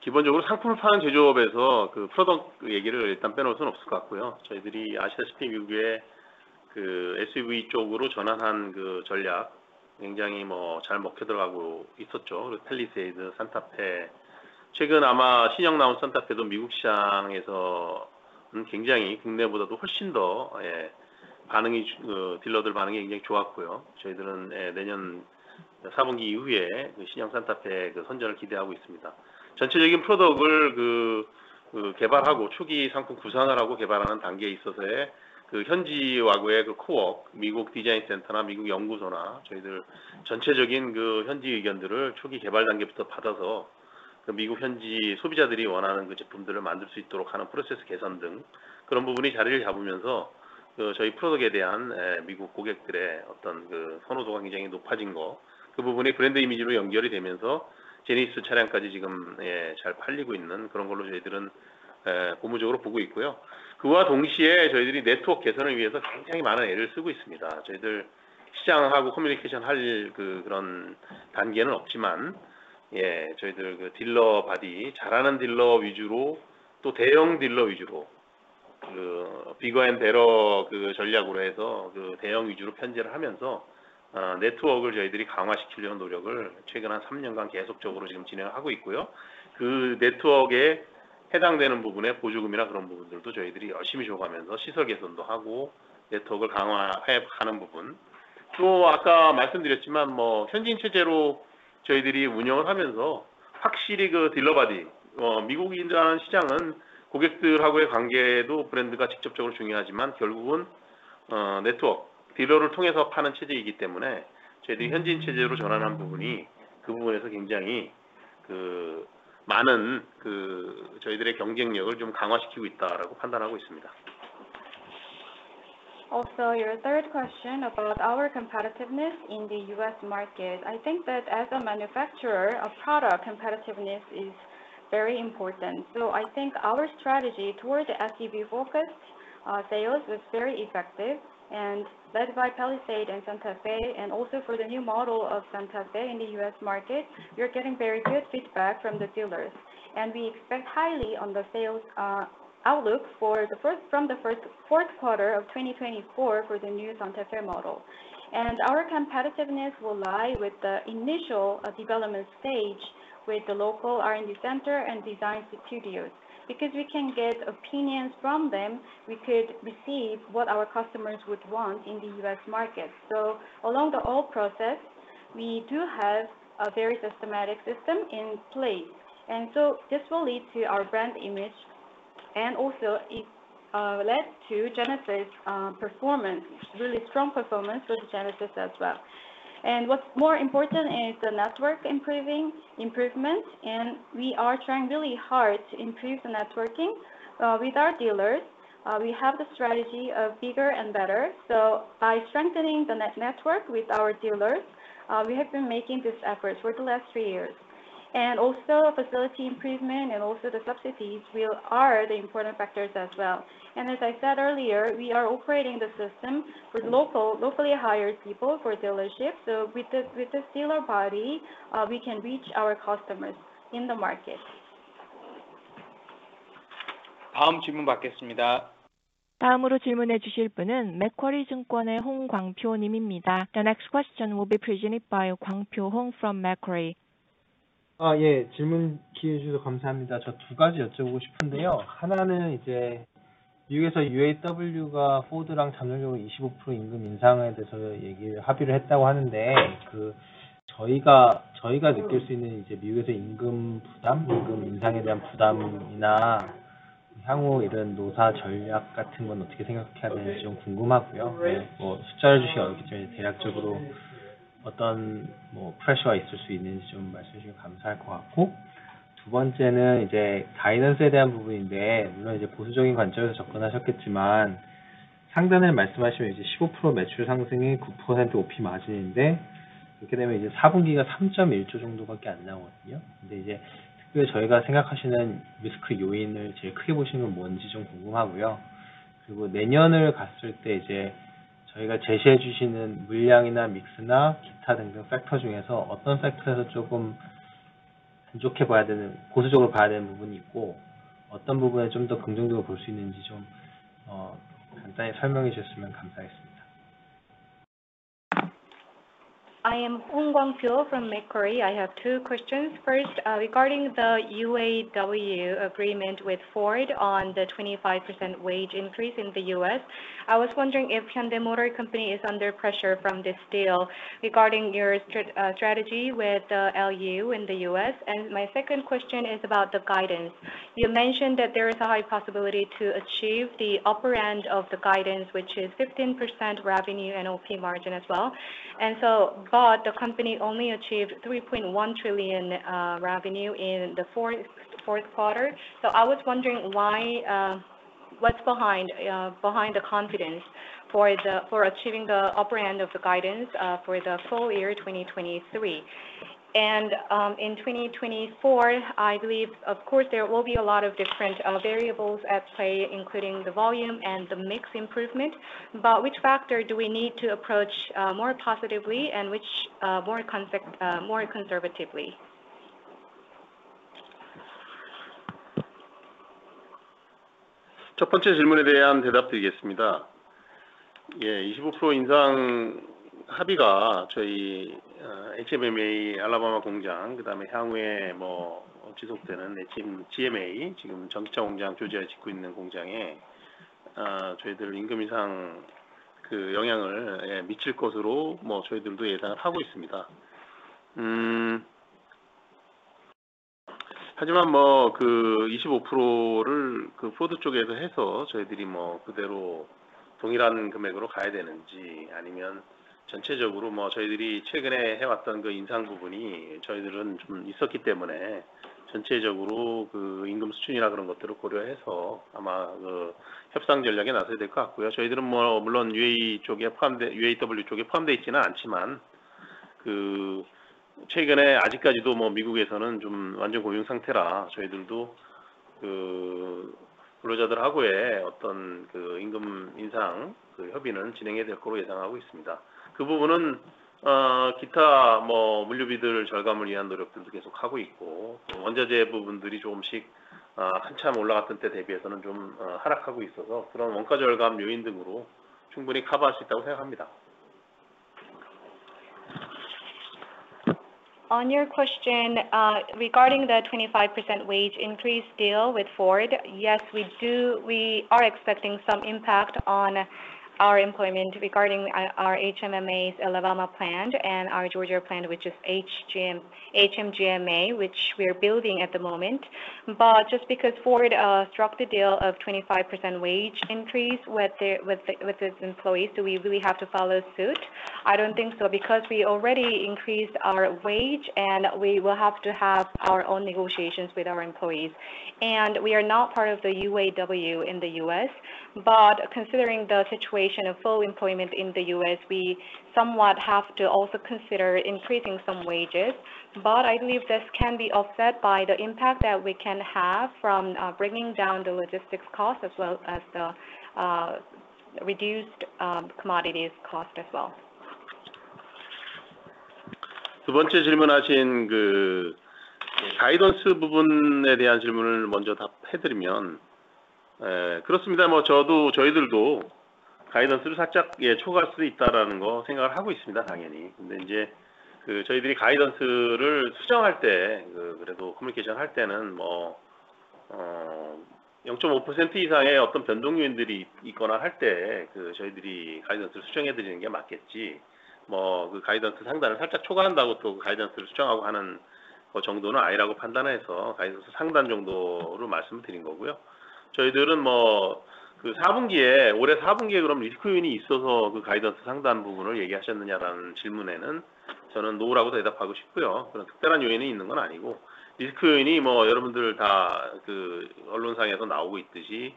기본적으로 상품을 파는 제조업에서 그 프로덕 얘기를 일단 빼놓을 수는 없을 것 같고요. 저희들이 아시아, 미국에 그 SUV 쪽으로 전환한 그 전략 굉장히 잘 먹혀 들어가고 있었죠. 팰리세이드, 산타페, 최근 아마 신형 나온 산타페도 미국 시장에서 굉장히 국내보다도 훨씬 더, 반응이 그 딜러들 반응이 굉장히 좋았고요. 저희들은 내년 사분기 이후에 그 신형 산타페의 그 선전을 기대하고 있습니다. 전체적인 프로덕트를 개발하고, 초기 상품 구상을 하고 개발하는 단계에서의 현지와의 코웍, 미국 디자인 센터나 미국 연구소나 저희들 전체적인 현지 의견들을 초기 개발 단계부터 받아서 미국 현지 소비자들이 원하는 제품들을 만들 수 있도록 하는 프로세스 개선 등 그런 부분이 자리를 잡으면서 저희 프로덕트에 대한 미국 고객들의 선호도가 굉장히 높아진 거, 그 부분이 브랜드 이미지로 연결이 되면서 제네시스 차량까지 지금 잘 팔리고 있는 그런 걸로 저희들은 긍정적으로 보고 있고요. 그와 동시에 저희들이 네트워크 개선을 위해서 굉장히 많은 애를 쓰고 있습니다. 저희들 시장하고 커뮤니케이션 할 그런 단계는 없지만, 저희들 딜러 바디, 잘하는 딜러 위주로, 또 대형 딜러 위주로, bigger and better 전략으로 해서 대형 위주로 편중을 하면서 네트워크를 저희들이 강화시키려는 노력을 최근 1-3년간 계속적으로 지금 진행을 하고 있고요. 그 네트워크에 해당되는 부분의 보조금이나 그런 부분들도 저희들이 열심히 줘 가면서 시설 개선도 하고, 네트워크를 강화해 가는 부분. 또 아까 말씀드렸지만, 현지인 체제로 저희들이 운영을 하면서 확실히 그 딜러 바디, 미국이라는 시장은 고객들하고의 관계에도 브랜드가 직접적으로 중요하지만, 결국은 네트워크, 딜러를 통해서 파는 체제이기 때문에 저희들이 현지인 체제로 전환한 부분이 그 부분에서 굉장히 많은 저희들의 경쟁력을 좀 강화시키고 있다라고 판단하고 있습니다. Also, your third question about our competitiveness in the U.S. market. I think that as a manufacturer, a product competitiveness is very important. So I think our strategy towards the SUV-focused sales is very effective and led by Palisade and Santa Fe, and also for the new model of Santa Fe in the U.S. market, we are getting very good feedback from the dealers, and we expect highly on the sales outlook from the first fourth quarter of 2024 for the new Santa Fe model. And our competitiveness will lie with the initial development stage, with the local R&D center and design studios. Because we can get opinions from them, we could receive what our customers would want in the U.S. market. So along the all process, we do have a very systematic system in place, and so this will lead to our brand image and also it led to Genesis performance, really strong performance for the Genesis as well. And what's more important is the network improvement, and we are trying really hard to improve the networking with our dealers. We have the strategy of bigger and better. So by strengthening the network with our dealers, we have been making this effort for the last three years. And also facility improvement and also the subsidies are the important factors as well. And as I said earlier, we are operating the system with locally hired people for dealerships. So with the dealer body, we can reach our customers in the market. 다음 질문 받겠습니다. 다음으로 질문해 주실 분은 맥쿼리 증권의 홍광표 님입니다. The next question will be presented by Gwang Pyo Hong from Macquarie. 아, 예, 질문 기회 주셔서 감사합니다. 저두 가지 여쭤보고 싶은데요. 하나는 이제 미국에서 UAW가 포드랑 잠정적으로 25% 임금 인상에 대해서 얘기를 합의를 했다고 하는데, 그 저희가 느낄 수 있는 이제 미국에서 임금 부담, 임금 인상에 대한 부담이나 향후 이런 노사 전략 같은 건 어떻게 생각해야 되는지 좀 궁금하고요. 예, 뭐 숫자를 주시기 어렵겠지만, 대략적으로 어떤 뭐 프레셔가 있을 수 있는지 좀 말씀해 주시면 감사할 것 같고. 두 번째는 이제 가이던스에 대한 부분인데, 물론 이제 보수적인 관점에서 접근하셨겠지만, 상반기에는 말씀하신 이제 15% 매출 상승이 9% OP 마진인데, 그렇게 되면 이제 사분기가 3.1% 정도밖에 안 나오거든요. 근데 이제 특별히 저희가 생각하시는 리스크 요인을 제일 크게 보시는 건 뭔지 좀 궁금하고요. 그리고 내년을 봤을 때, 이제 저희가 제시해 주시는 물량이나 믹스나 기타 등등 팩터 중에서 어떤 팩터에서 조금 안 좋게 봐야 되는, 보수적으로 봐야 되는 부분이 있고, 어떤 부분에 좀더 긍정적으로 볼수 있는지 좀 간단히 설명해 주셨으면 감사하겠습니다. I am Gwang Pyo Hong from Macquarie. I have two questions. First, regarding the UAW agreement with Ford on the 25% wage increase in the US. I was wondering if Hyundai Motor Company is under pressure from this deal regarding your strategy with the UAW in the US. And my second question is about the guidance. You mentioned that there is a high possibility to achieve the upper end of the guidance, which is 15% revenue and OP margin as well. But the company only achieved 3.1 trillion revenue in the fourth quarter. So I was wondering why. What's behind the confidence for achieving the upper end of the guidance for the full year 2023? And in 2024, I believe, of course, there will be a lot of different variables at play, including the volume and the mix improvement, but which factor do we need to approach more positively and which more conservatively? I will answer the first question. Yes, the 25% wage increase agreement will affect our HMMA Alabama plant, and then the ongoing GMA, the EV plant being built in Georgia, we expect it to impact our wage increases. But whether we have to go with the exact same amount as the 25% that Ford did, or since we have had some recent increases, considering the overall wage levels and such, we probably need to come up with a negotiation strategy. Of course, we are not included in the UAW, not included in the UAW, but since the US is still in a state of full employment, we expect to proceed with negotiations on wage increases with our workers. 그 부분은 기타 물류비들 절감을 위한 노력들도 계속 하고 있고, 또 원자재 부분들이 조금씩 한참 올라갔던 때 대비해서는 좀 하락하고 있어서 그런 원가 절감 요인 등으로 충분히 커버할 수 있다고 생각합니다. On your question regarding the 25% wage increase deal with Ford. Yes, we do. We are expecting some impact on our employment regarding our HMMA's Alabama plant and our Georgia plant, which is HMGMA, which we are building at the moment. But just because Ford struck the deal of 25% wage increase with the, with the, with its employees, so we really have to follow suit? I don't think so, because we already increased our wage, and we will have to have our own negotiations with our employees. And we are not part of the UAW in the U.S. But considering the situation of full employment in the U.S., we somewhat have to also consider increasing some wages. But I believe this can be offset by the impact that we can have from bringing down the logistics costs, as well as the reduced commodities costs as well. 두 번째 질문하신 그 가이던스 부분에 대한 질문을 먼저 답해드리면, 그렇습니다. 뭐 저도, 저희들도 가이던스를 살짝 초과할 수도 있다라는 거 생각을 하고 있습니다, 당연히. 근데 이제 그 저희들이 가이던스를 수정할 때, 그 그래도 커뮤니케이션 할 때는 뭐 0.5% 이상의 어떤 변동 요인들이 있거나 할 때, 그 저희들이 가이던스를 수정해 드리는 게 맞겠지, 뭐그 가이던스 상단을 살짝 초과한다고 또 가이던스를 수정하고 하는 거 정도는 아니라고 판단해서 가이던스 상단 정도로 말씀을 드린 거고요. 저희들은 뭐그 사분기에, 올해 사분기에 그럼 리스크 요인이 있어서 그 가이던스 상단 부분을 얘기하셨느냐라는 질문에는 저는 no라고 대답하고 싶고요. 그런 특별한 요인이 있는 건 아니고, 리스크 요인이 뭐 여러분들 다그 언론상에서 나오고 있듯이,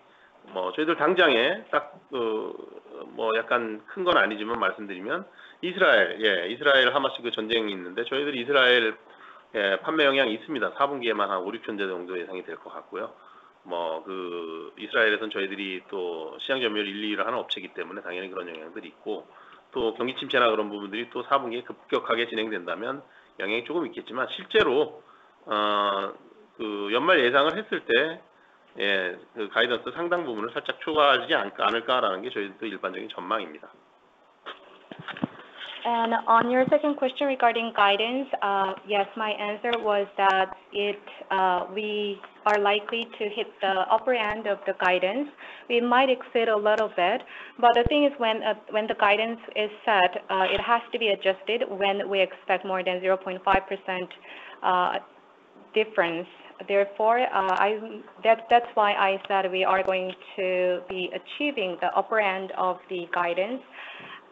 뭐 저희들 당장에 딱그뭐 약간 큰건 아니지만 말씀드리면, Israel. Israel Hamas 전쟁이 있는데, 저희들이 Israel 판매 영향이 있습니다. 사분기에만 15,000대 정도 예상이 될것 같고요. 그 이스라엘에서는 저희들이 또 시장 점유율 1, 2위를 하는 업체이기 때문에 당연히 그런 영향들이 있고, 또 경기 침체나 그런 부분들이 또 사분기에 급격하게 진행된다면 영향이 조금 있겠지만, 실제로 그 연말 예상을 했을 때, 그 가이던스 상단 부분을 살짝 초과하지 않을까라는 게 저희들 일반적인 전망입니다. On your second question regarding guidance. Yes, my answer was that it, we are likely to hit the upper end of the guidance. We might exceed a little bit, but the thing is when, when the guidance is set, it has to be adjusted when we expect more than 0.5% difference. Therefore, that's why I said we are going to be achieving the upper end of the guidance.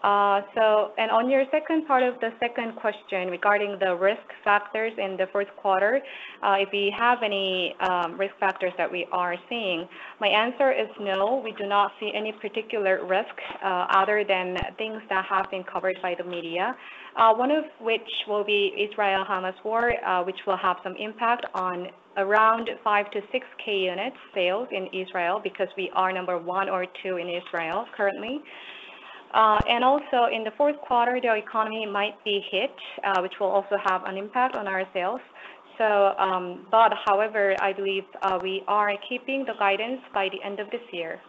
On your second part of the second question regarding the risk factors in the first quarter, if we have any risk factors that we are seeing, my answer is no. We do not see any particular risk, other than things that have been covered by the media. One of which will be Israel-Hamas war, which will have some impact on around 5-6K units sales in Israel, because we are number one or two in Israel currently. And also in the fourth quarter, the economy might be hit, which will also have an impact on our sales. So, but however, I believe, we are keeping the guidance by the end of this year.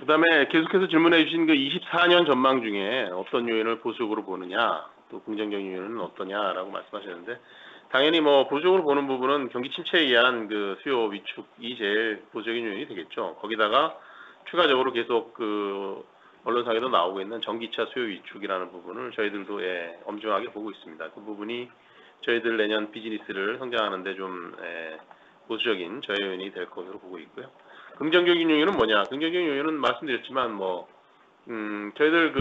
그다음에 계속해서 질문해 주신 그 2024년 전망 중에 어떤 요인을 보수적으로 보느냐, 또 긍정적인 요인은 어떠냐라고 말씀하셨는데, 당연히 뭐 보수적으로 보는 부분은 경기 침체에 의한 그 수요 위축이 제일 보수적인 요인이 되겠죠. 거기다가 추가적으로 계속 그 언론사에서 나오고 있는 전기차 수요 위축이라는 부분을 저희들도 엄중하게 보고 있습니다. 그 부분이 저희들 내년 비즈니스를 성장하는 데좀 보수적인 요인이 될 것으로 보고 있고요. 긍정적인 요인은 뭐냐? 긍정적인 요인은 말씀드렸지만, 뭐- 저희들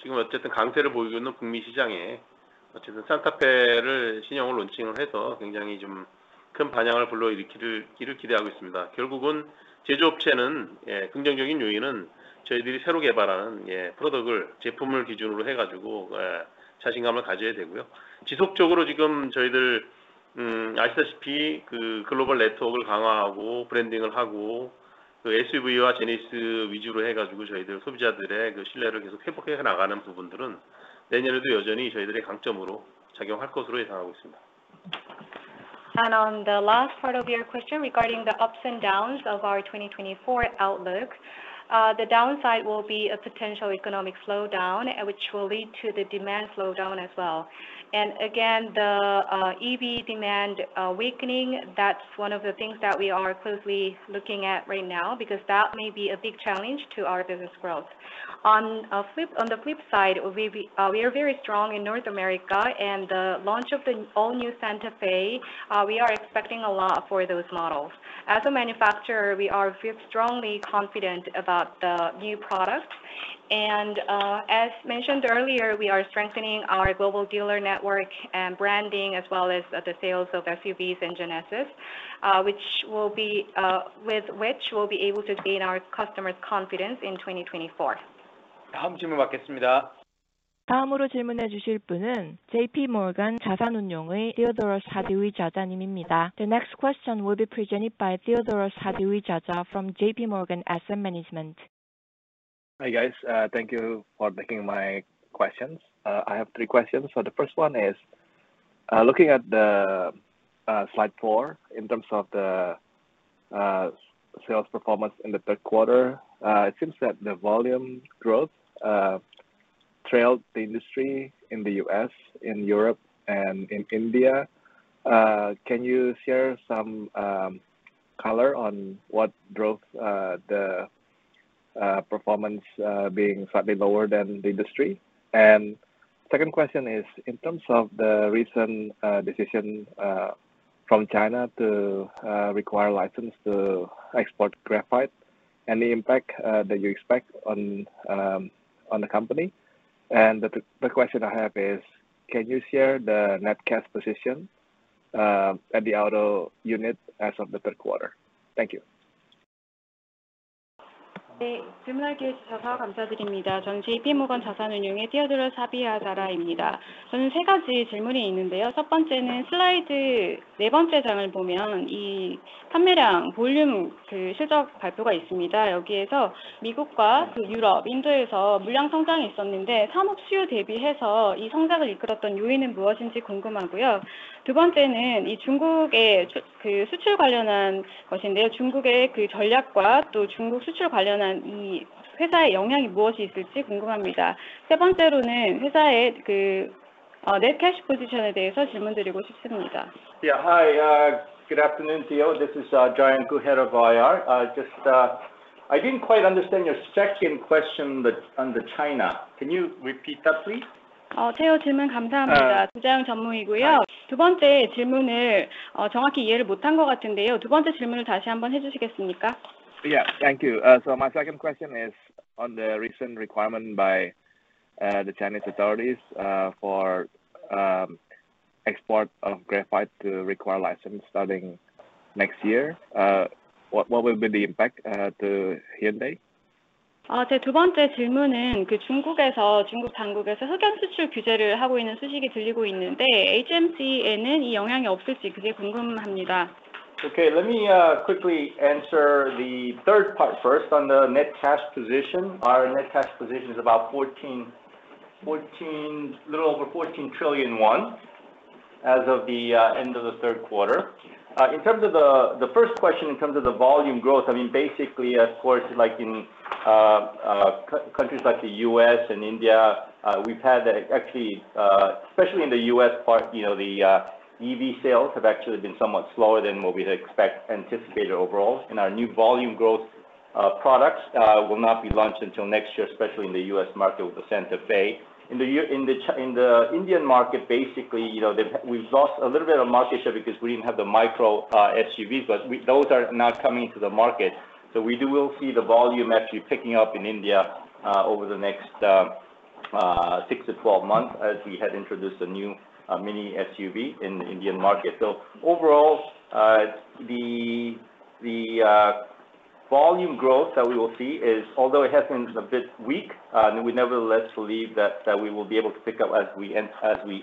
지금 어쨌든 강세를 보이고 있는 북미 시장에 어쨌든 Santa Fe를 신형을 론칭을 해서 굉장히 좀큰 반향을 불러일으키기를 기대하고 있습니다. 결국은 제조업체는 긍정적인 요인은 저희들이 새로 개발하는 제품을 기준으로 해가지고 자신감을 가져야 되고요. 지속적으로 지금 저희들 아시다시피 그 글로벌 네트워크를 강화하고 브랜딩을 하고, 그 SUV와 Genesis 위주로 해가지고, 저희들 소비자들의 그 신뢰를 계속 회복해 나가는 부분들은 내년에도 여전히 저희들의 강점으로 작용할 것으로 예상하고 있습니다. On the last part of your question regarding the ups and downs of our 2024 outlook, the downside will be a potential economic slowdown, which will lead to the demand slowdown as well. And again, the EV demand weakening, that's one of the things that we are closely looking at right now, because that may be a big challenge to our business growth. On the flip side, we are very strong in North America and the launch of the all-new Santa Fe, we are expecting a lot for those models. As a manufacturer, we are feel strongly confident about the new products. As mentioned earlier, we are strengthening our global dealer network and branding, as well as the sales of SUVs and Genesis, with which we'll be able to gain our customers' confidence in 2024. 다음 질문 받겠습니다. 다음으로 질문해 주실 분은 JP Morgan 자산운용의 티어드로 사디위자님입니다. The next question will be presented by Theodore Sadiwija from JP Morgan Asset Management. Hi, guys. Thank you for taking my questions. I have three questions. So the first one is, looking at the slide four in terms of the sales performance in the third quarter. It seems that the volume growth trailed the industry in the U.S., in Europe, and in India. Can you share some color on what drove the performance being slightly lower than the industry? And second question is, in terms of the recent decision from China to require license to export graphite and the impact that you expect on the company. And the question I have is: Can you share the net cash position at the auto unit as of the third quarter? Thank you. 네, 질문해 주셔서 감사드립니다. 저는 JP Morgan Asset Management의 Theodore Sadiwija입니다. 저는 3가지 질문이 있는데요. 첫 번째는 슬라이드 4번째 장을 보면 이 판매량, 볼륨, 실적 발표가 있습니다. 여기에서 미국과 유럽, 인도에서 물량 성장이 있었는데, 산업 수요 대비해서 이 성장을 이끌었던 요인은 무엇인지 궁금하고요. 두 번째는 이 중국의 수출 관련한 것인데요. 중국의 전략과 또 중국 수출 관련한 이 회사의 영향이 무엇이 있을지 궁금합니다. 세 번째로는 회사의 net cash position에 대해서 질문드리고 싶습니다. Yeah. Hi, good afternoon, Theo. This is Zayong Koo, head of IR. Just, I didn't quite understand your second question, that on China. Can you repeat that, please? 테오 질문 감사합니다. 주자영 전무이고요. 두 번째 질문을 정확히 이해를 못한 것 같은데요. 두 번째 질문을 다시 한번 해주시겠습니까? Yeah, thank you. So my second question is on the recent requirement by the Chinese authorities for export of graphite to require license starting next year. What will be the impact to Hyundai? 제두 번째 질문은 그 중국에서, 중국 당국에서 흑연 수출 규제를 하고 있는 소식이 들리고 있는데, HMC에는 이 영향이 없을지 그게 궁금합니다? Okay, let me quickly answer the third part first. On the net cash position. Our net cash position is about fourteen, a little over fourteen trillion won as of the end of the third quarter. In terms of the first question, in terms of the volume growth, I mean, basically, of course, like in countries like the U.S. and India, we've had that actually, especially in the U.S. part, you know, the EV sales have actually been somewhat slower than what we'd expect anticipated overall. And our new volume growth products will not be launched until next year, especially in the U.S. market with the Santa Fe. In the year, in the Indian market, basically, you know, they, we've lost a little bit of market share because we didn't have the micro SUVs, but those are now coming to the market. So we do will see the volume actually picking up in India over the next 6-12 months as we had introduced a new mini SUV in the Indian market. So overall, the volume growth that we will see, although it has been a bit weak, we nevertheless believe that we will be able to pick up as we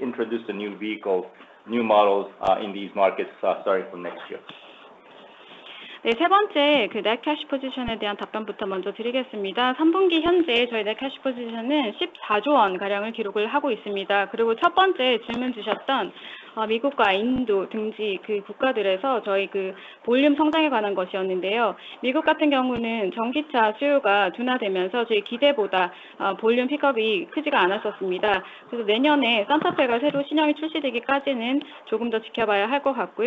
introduce the new vehicle, new models in these markets starting from next year. U.S. and India and such places, those countries. In the case of the U.S., as electric vehicle demand slowed, compared to our expectations, the volume pickup was not that large. So until the new Santa Fe launches next year, it seems we need to watch a bit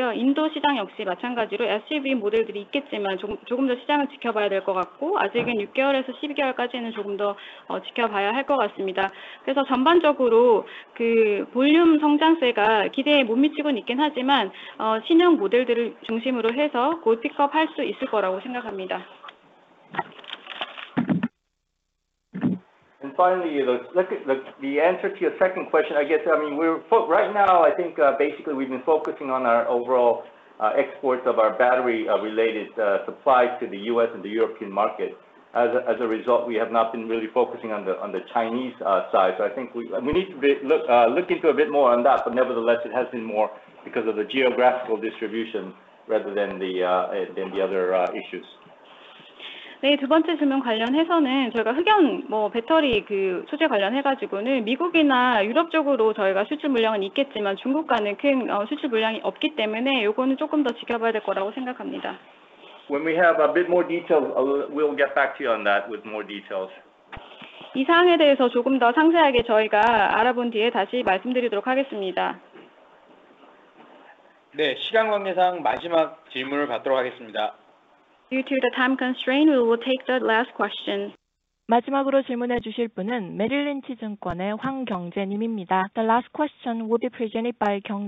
more. The Indian market is similarly, there will be SUV models, but a bit, a bit more, it seems we need to watch the market, and for now from six months to 12 months, a bit more, it seems we need to watch. So overall, although that volume growth trend is falling short of expectations, centered on the new models, I think we can achieve that pickup. Finally, to look at the answer to your second question, I guess, I mean, we're right now, I think, basically, we've been focusing on our overall exports of our battery related supplies to the U.S. and the European market. As a result, we have not been really focusing on the Chinese side. So I think we need to look into a bit more on that, but nevertheless, it has been more because of the geographical distribution rather than the other issues. 네, 두 번째 질문 관련해서는 저희가 흑연, 배터리, 그 소재 관련해가지고는 미국이나 유럽 쪽으로 저희가 수출 물량은 있겠지만, 중국과는 큰 수출 물량이 없기 때문에 이거는 조금 더 지켜봐야 될 거라고 생각합니다. When we have a bit more detail, we'll get back to you on that with more details. 이 사항에 대해서 조금 더 상세하게 저희가 알아본 뒤에 다시 말씀드리도록 하겠습니다. 네, 시간 관계상 마지막 질문을 받도록 하겠습니다. Due to the time constraint, we will take the last question. is Kyung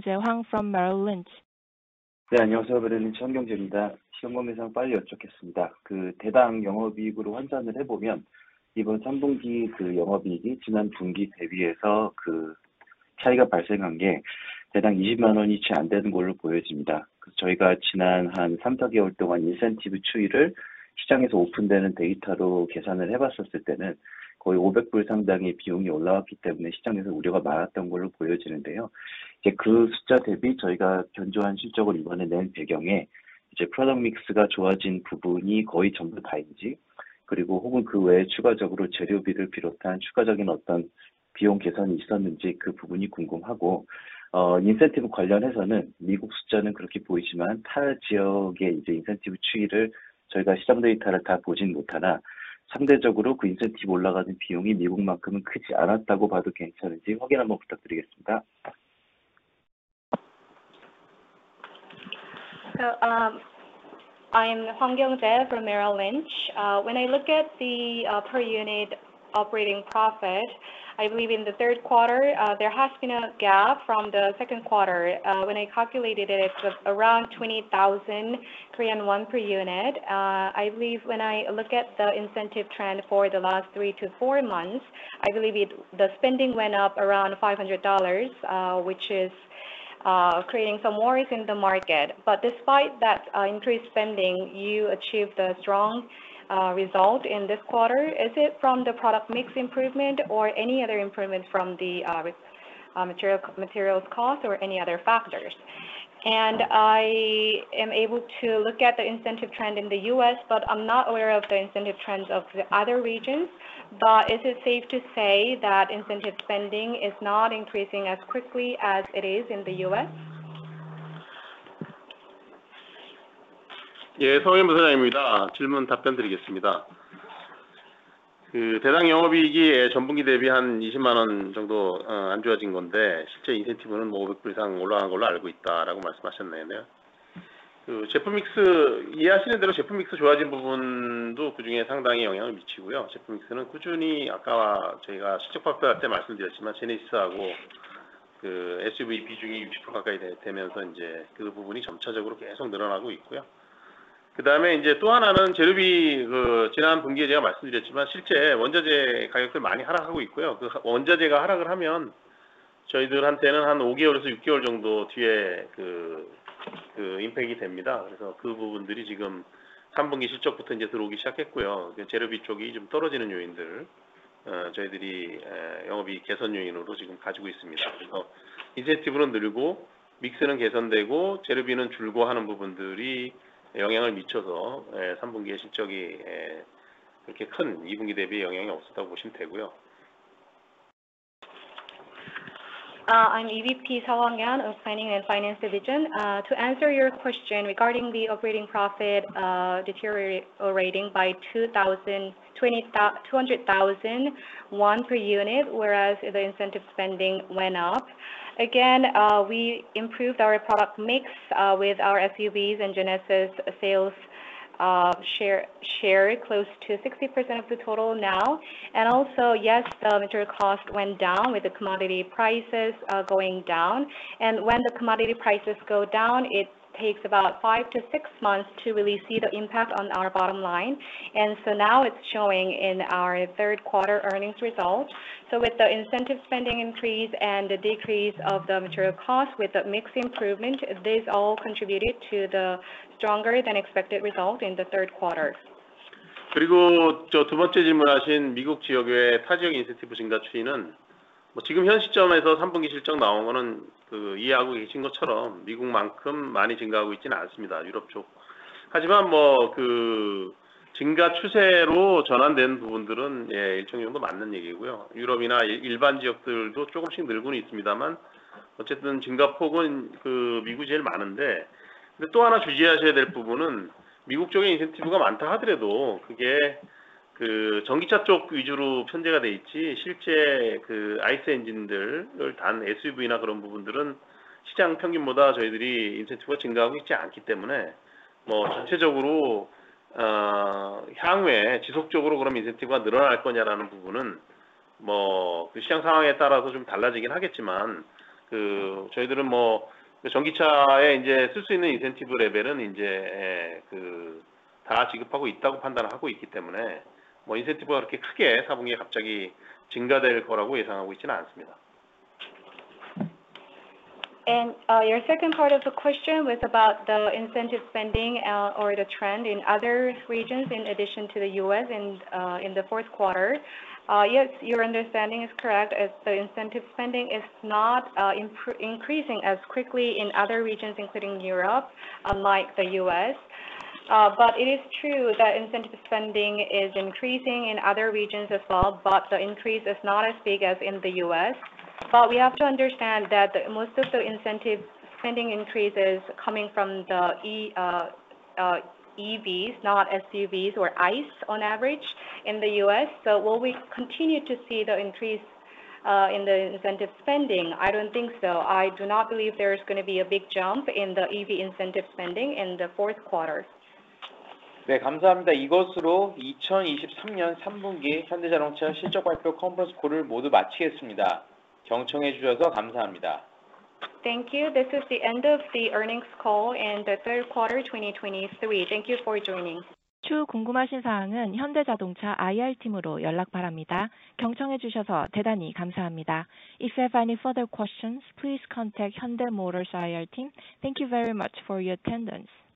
Jae Hwang from Merrill Lynch Securities. The last question will be presented by Kyung Jae Hwang from Merrill Lynch. 네, 안녕하세요. Merrill Lynch 황경재입니다. 시간 관계상 빨리 여쭙겠습니다. 그 대당 영업이익으로 환산을 해보면, 이번 3분기 그 영업이익이 지난 분기 대비해서 그 차이가 발생한 게 대당 20만 KRW이 채안 되는 걸로 보여집니다. 저희가 지난 한 삼사개월 동안 인센티브 추이를 시장에서 오픈되는 데이터로 계산을 해봤었을 때는 거의 $500 상당의 비용이 올라왔기 때문에 시장에서 우려가 많았던 걸로 보여지는데요. 이제 그 숫자 대비 저희가 견조한 실적을 이번에 낸 배경에, 이제 product mix가 좋아진 부분이 거의 전부 다인지, 그리고 혹은 그외 추가적으로 재료비를 비롯한 추가적인 어떤 비용 개선이 있었는지 그 부분이 궁금하고, 인센티브 관련해서는 미국 숫자는 그렇게 보이지만, 타 지역의 이제 인센티브 추이를 저희가 시장 데이터를 다 보진 못하나 상대적으로 그 인센티브 올라가는 비용이 미국만큼은 크지 않았다고 봐도 괜찮은지 확인 한번 부탁드리겠습니다. So, I am Kyung Jae Hwang from Merrill Lynch. When I look at the per unit operating profit, I believe in the third quarter, there has been a gap from the second quarter. When I calculated it, it was around 20,000 Korean won per unit. I believe when I look at the incentive trend for the last 3-4 months, I believe it, the spending went up around $500, which is creating some worries in the market. But despite that increased spending, you achieved a strong result in this quarter. Is it from the product mix improvement or any other improvement from the materials cost or any other factors? I am able to look at the incentive trend in the U.S., but I'm not aware of the incentive trends of the other regions. Is it safe to say that incentive spending is not increasing as quickly as it is in the U.S.? 예, 서영민 부사장입니다. 질문 답변드리겠습니다. 그 대당 영업이익이 예, 전분기 대비 120,000 정도 안 좋아진 건데, 실제 인센티브는 뭐 $500 이상 올라간 걸로 알고 있다라고 말씀하셨네요. 그 제품 믹스, 이해하시는 대로 제품 믹스 좋아진 부분도 그중에 상당히 영향을 미치고요. 제품 믹스는 꾸준히 아까 저희가 실적 발표할 때 말씀드렸지만, 제네시스하고 그 SUV 비중이 60% 가까이 되면서 이제 그 부분이 점차적으로 계속 늘어나고 있고요. 그다음에 이제 또 하나는 재료비, 그 지난 분기에 제가 말씀드렸지만, 실제 원자재 가격들이 많이 하락하고 있고요. 그 원자재가 하락을 하면 저희들한테는 1-5개월에서 6개월 정도 뒤에 그 임팩이 됩니다. 그래서 그 부분들이 지금 삼분기 실적부터 이제 들어오기 시작했고요. 재료비 쪽이 좀 떨어지는 요인들, 저희들이 영업이익 개선 요인으로 지금 가지고 있습니다. 그래서 인센티브는 늘고, 믹스는 개선되고, 재료비는 줄고 하는 부분들이 영향을 미쳐서, 예, 삼분기에 실적이 예, 그렇게 큰 이분기 대비 영향이 없었다고 보시면 되고요. I'm EVP Gang Hyun Seo of Planning and Finance Division. To answer your question regarding the operating profit deteriorating by 200,000 won per unit, whereas the incentive spending went up. Again, we improved our product mix with our SUVs and Genesis sales share close to 60% of the total now. And also, yes, the material cost went down with the commodity prices going down. And when the commodity prices go down, it takes about 5-6 months to really see the impact on our bottom line. And so now it's showing in our third quarter earnings results. So with the incentive spending increase and the decrease of the material costs, with the mix improvement, this all contributed to the stronger than expected result in the third quarter. 그리고 저두 번째 질문하신 미국 지역 외타 지역 인센티브 증가 추이는 뭐, 지금 현 시점에서 삼분기 실적 나온 거는 그 이해하고 계신 것처럼 미국만큼 많이 증가하고 있지는 않습니다, 유럽 쪽. 하지만 그 증가 추세로 전환된 부분들은 예, 일정 정도 맞는 얘기고요. 유럽이나 일반 지역들도 조금씩 늘고는 있습니다만, 어쨌든 증가폭은 그 미국이 제일 많은데. 근데 또 하나 주의하셔야 될 부분은 미국 쪽의 인센티브가 많다 하더라도, 그게 그 전기차 쪽 위주로 편중이 돼 있지, 실제 그 ICE 엔진들을 단 SUV나 그런 부분들은 시장 평균보다 저희들이 인센티브가 증가하고 있지 않기 때문에, 전체적으로 향후에 지속적으로 그럼 인센티브가 늘어날 거냐라는 부분은, 그 시장 상황에 따라서 좀 달라지긴 하겠지만, 그 저희들은 전기차에 이제 쓸수 있는 인센티브 레벨은 이제, 예, 그다 지급하고 있다고 판단하고 있기 때문에, 인센티브가 그렇게 크게 사분기에 갑자기 증가될 거라고 예상하고 있지는 않습니다. Your second part of the question was about the incentive spending, or the trend in other regions in addition to the U.S. and, in the fourth quarter. Yes, your understanding is correct, as the incentive spending is not increasing as quickly in other regions, including Europe, unlike the U.S. But it is true that incentive spending is increasing in other regions as well, but the increase is not as big as in the U.S. But we have to understand that most of the incentive spending increase is coming from the EVs, not SUVs or ICE on average in the U.S. So will we continue to see the increase in the incentive spending? I don't think so. I do not believe there is going to be a big jump in the EV incentive spending in the fourth quarter. 네, 감사합니다. 이것으로 2023년 3분기 현대자동차 실적 발표 컨퍼런스 콜을 모두 마치겠습니다. 경청해 주셔서 감사합니다. Thank you. This is the end of the earnings call in the third quarter, 2023. Thank you for joining. 추후 궁금하신 사항은 현대자동차 IR 팀으로 연락 바랍니다. 경청해 주셔서 대단히 감사합니다. If you have any further questions, please contact Hyundai Motor IR team. Thank you very much for your attendance.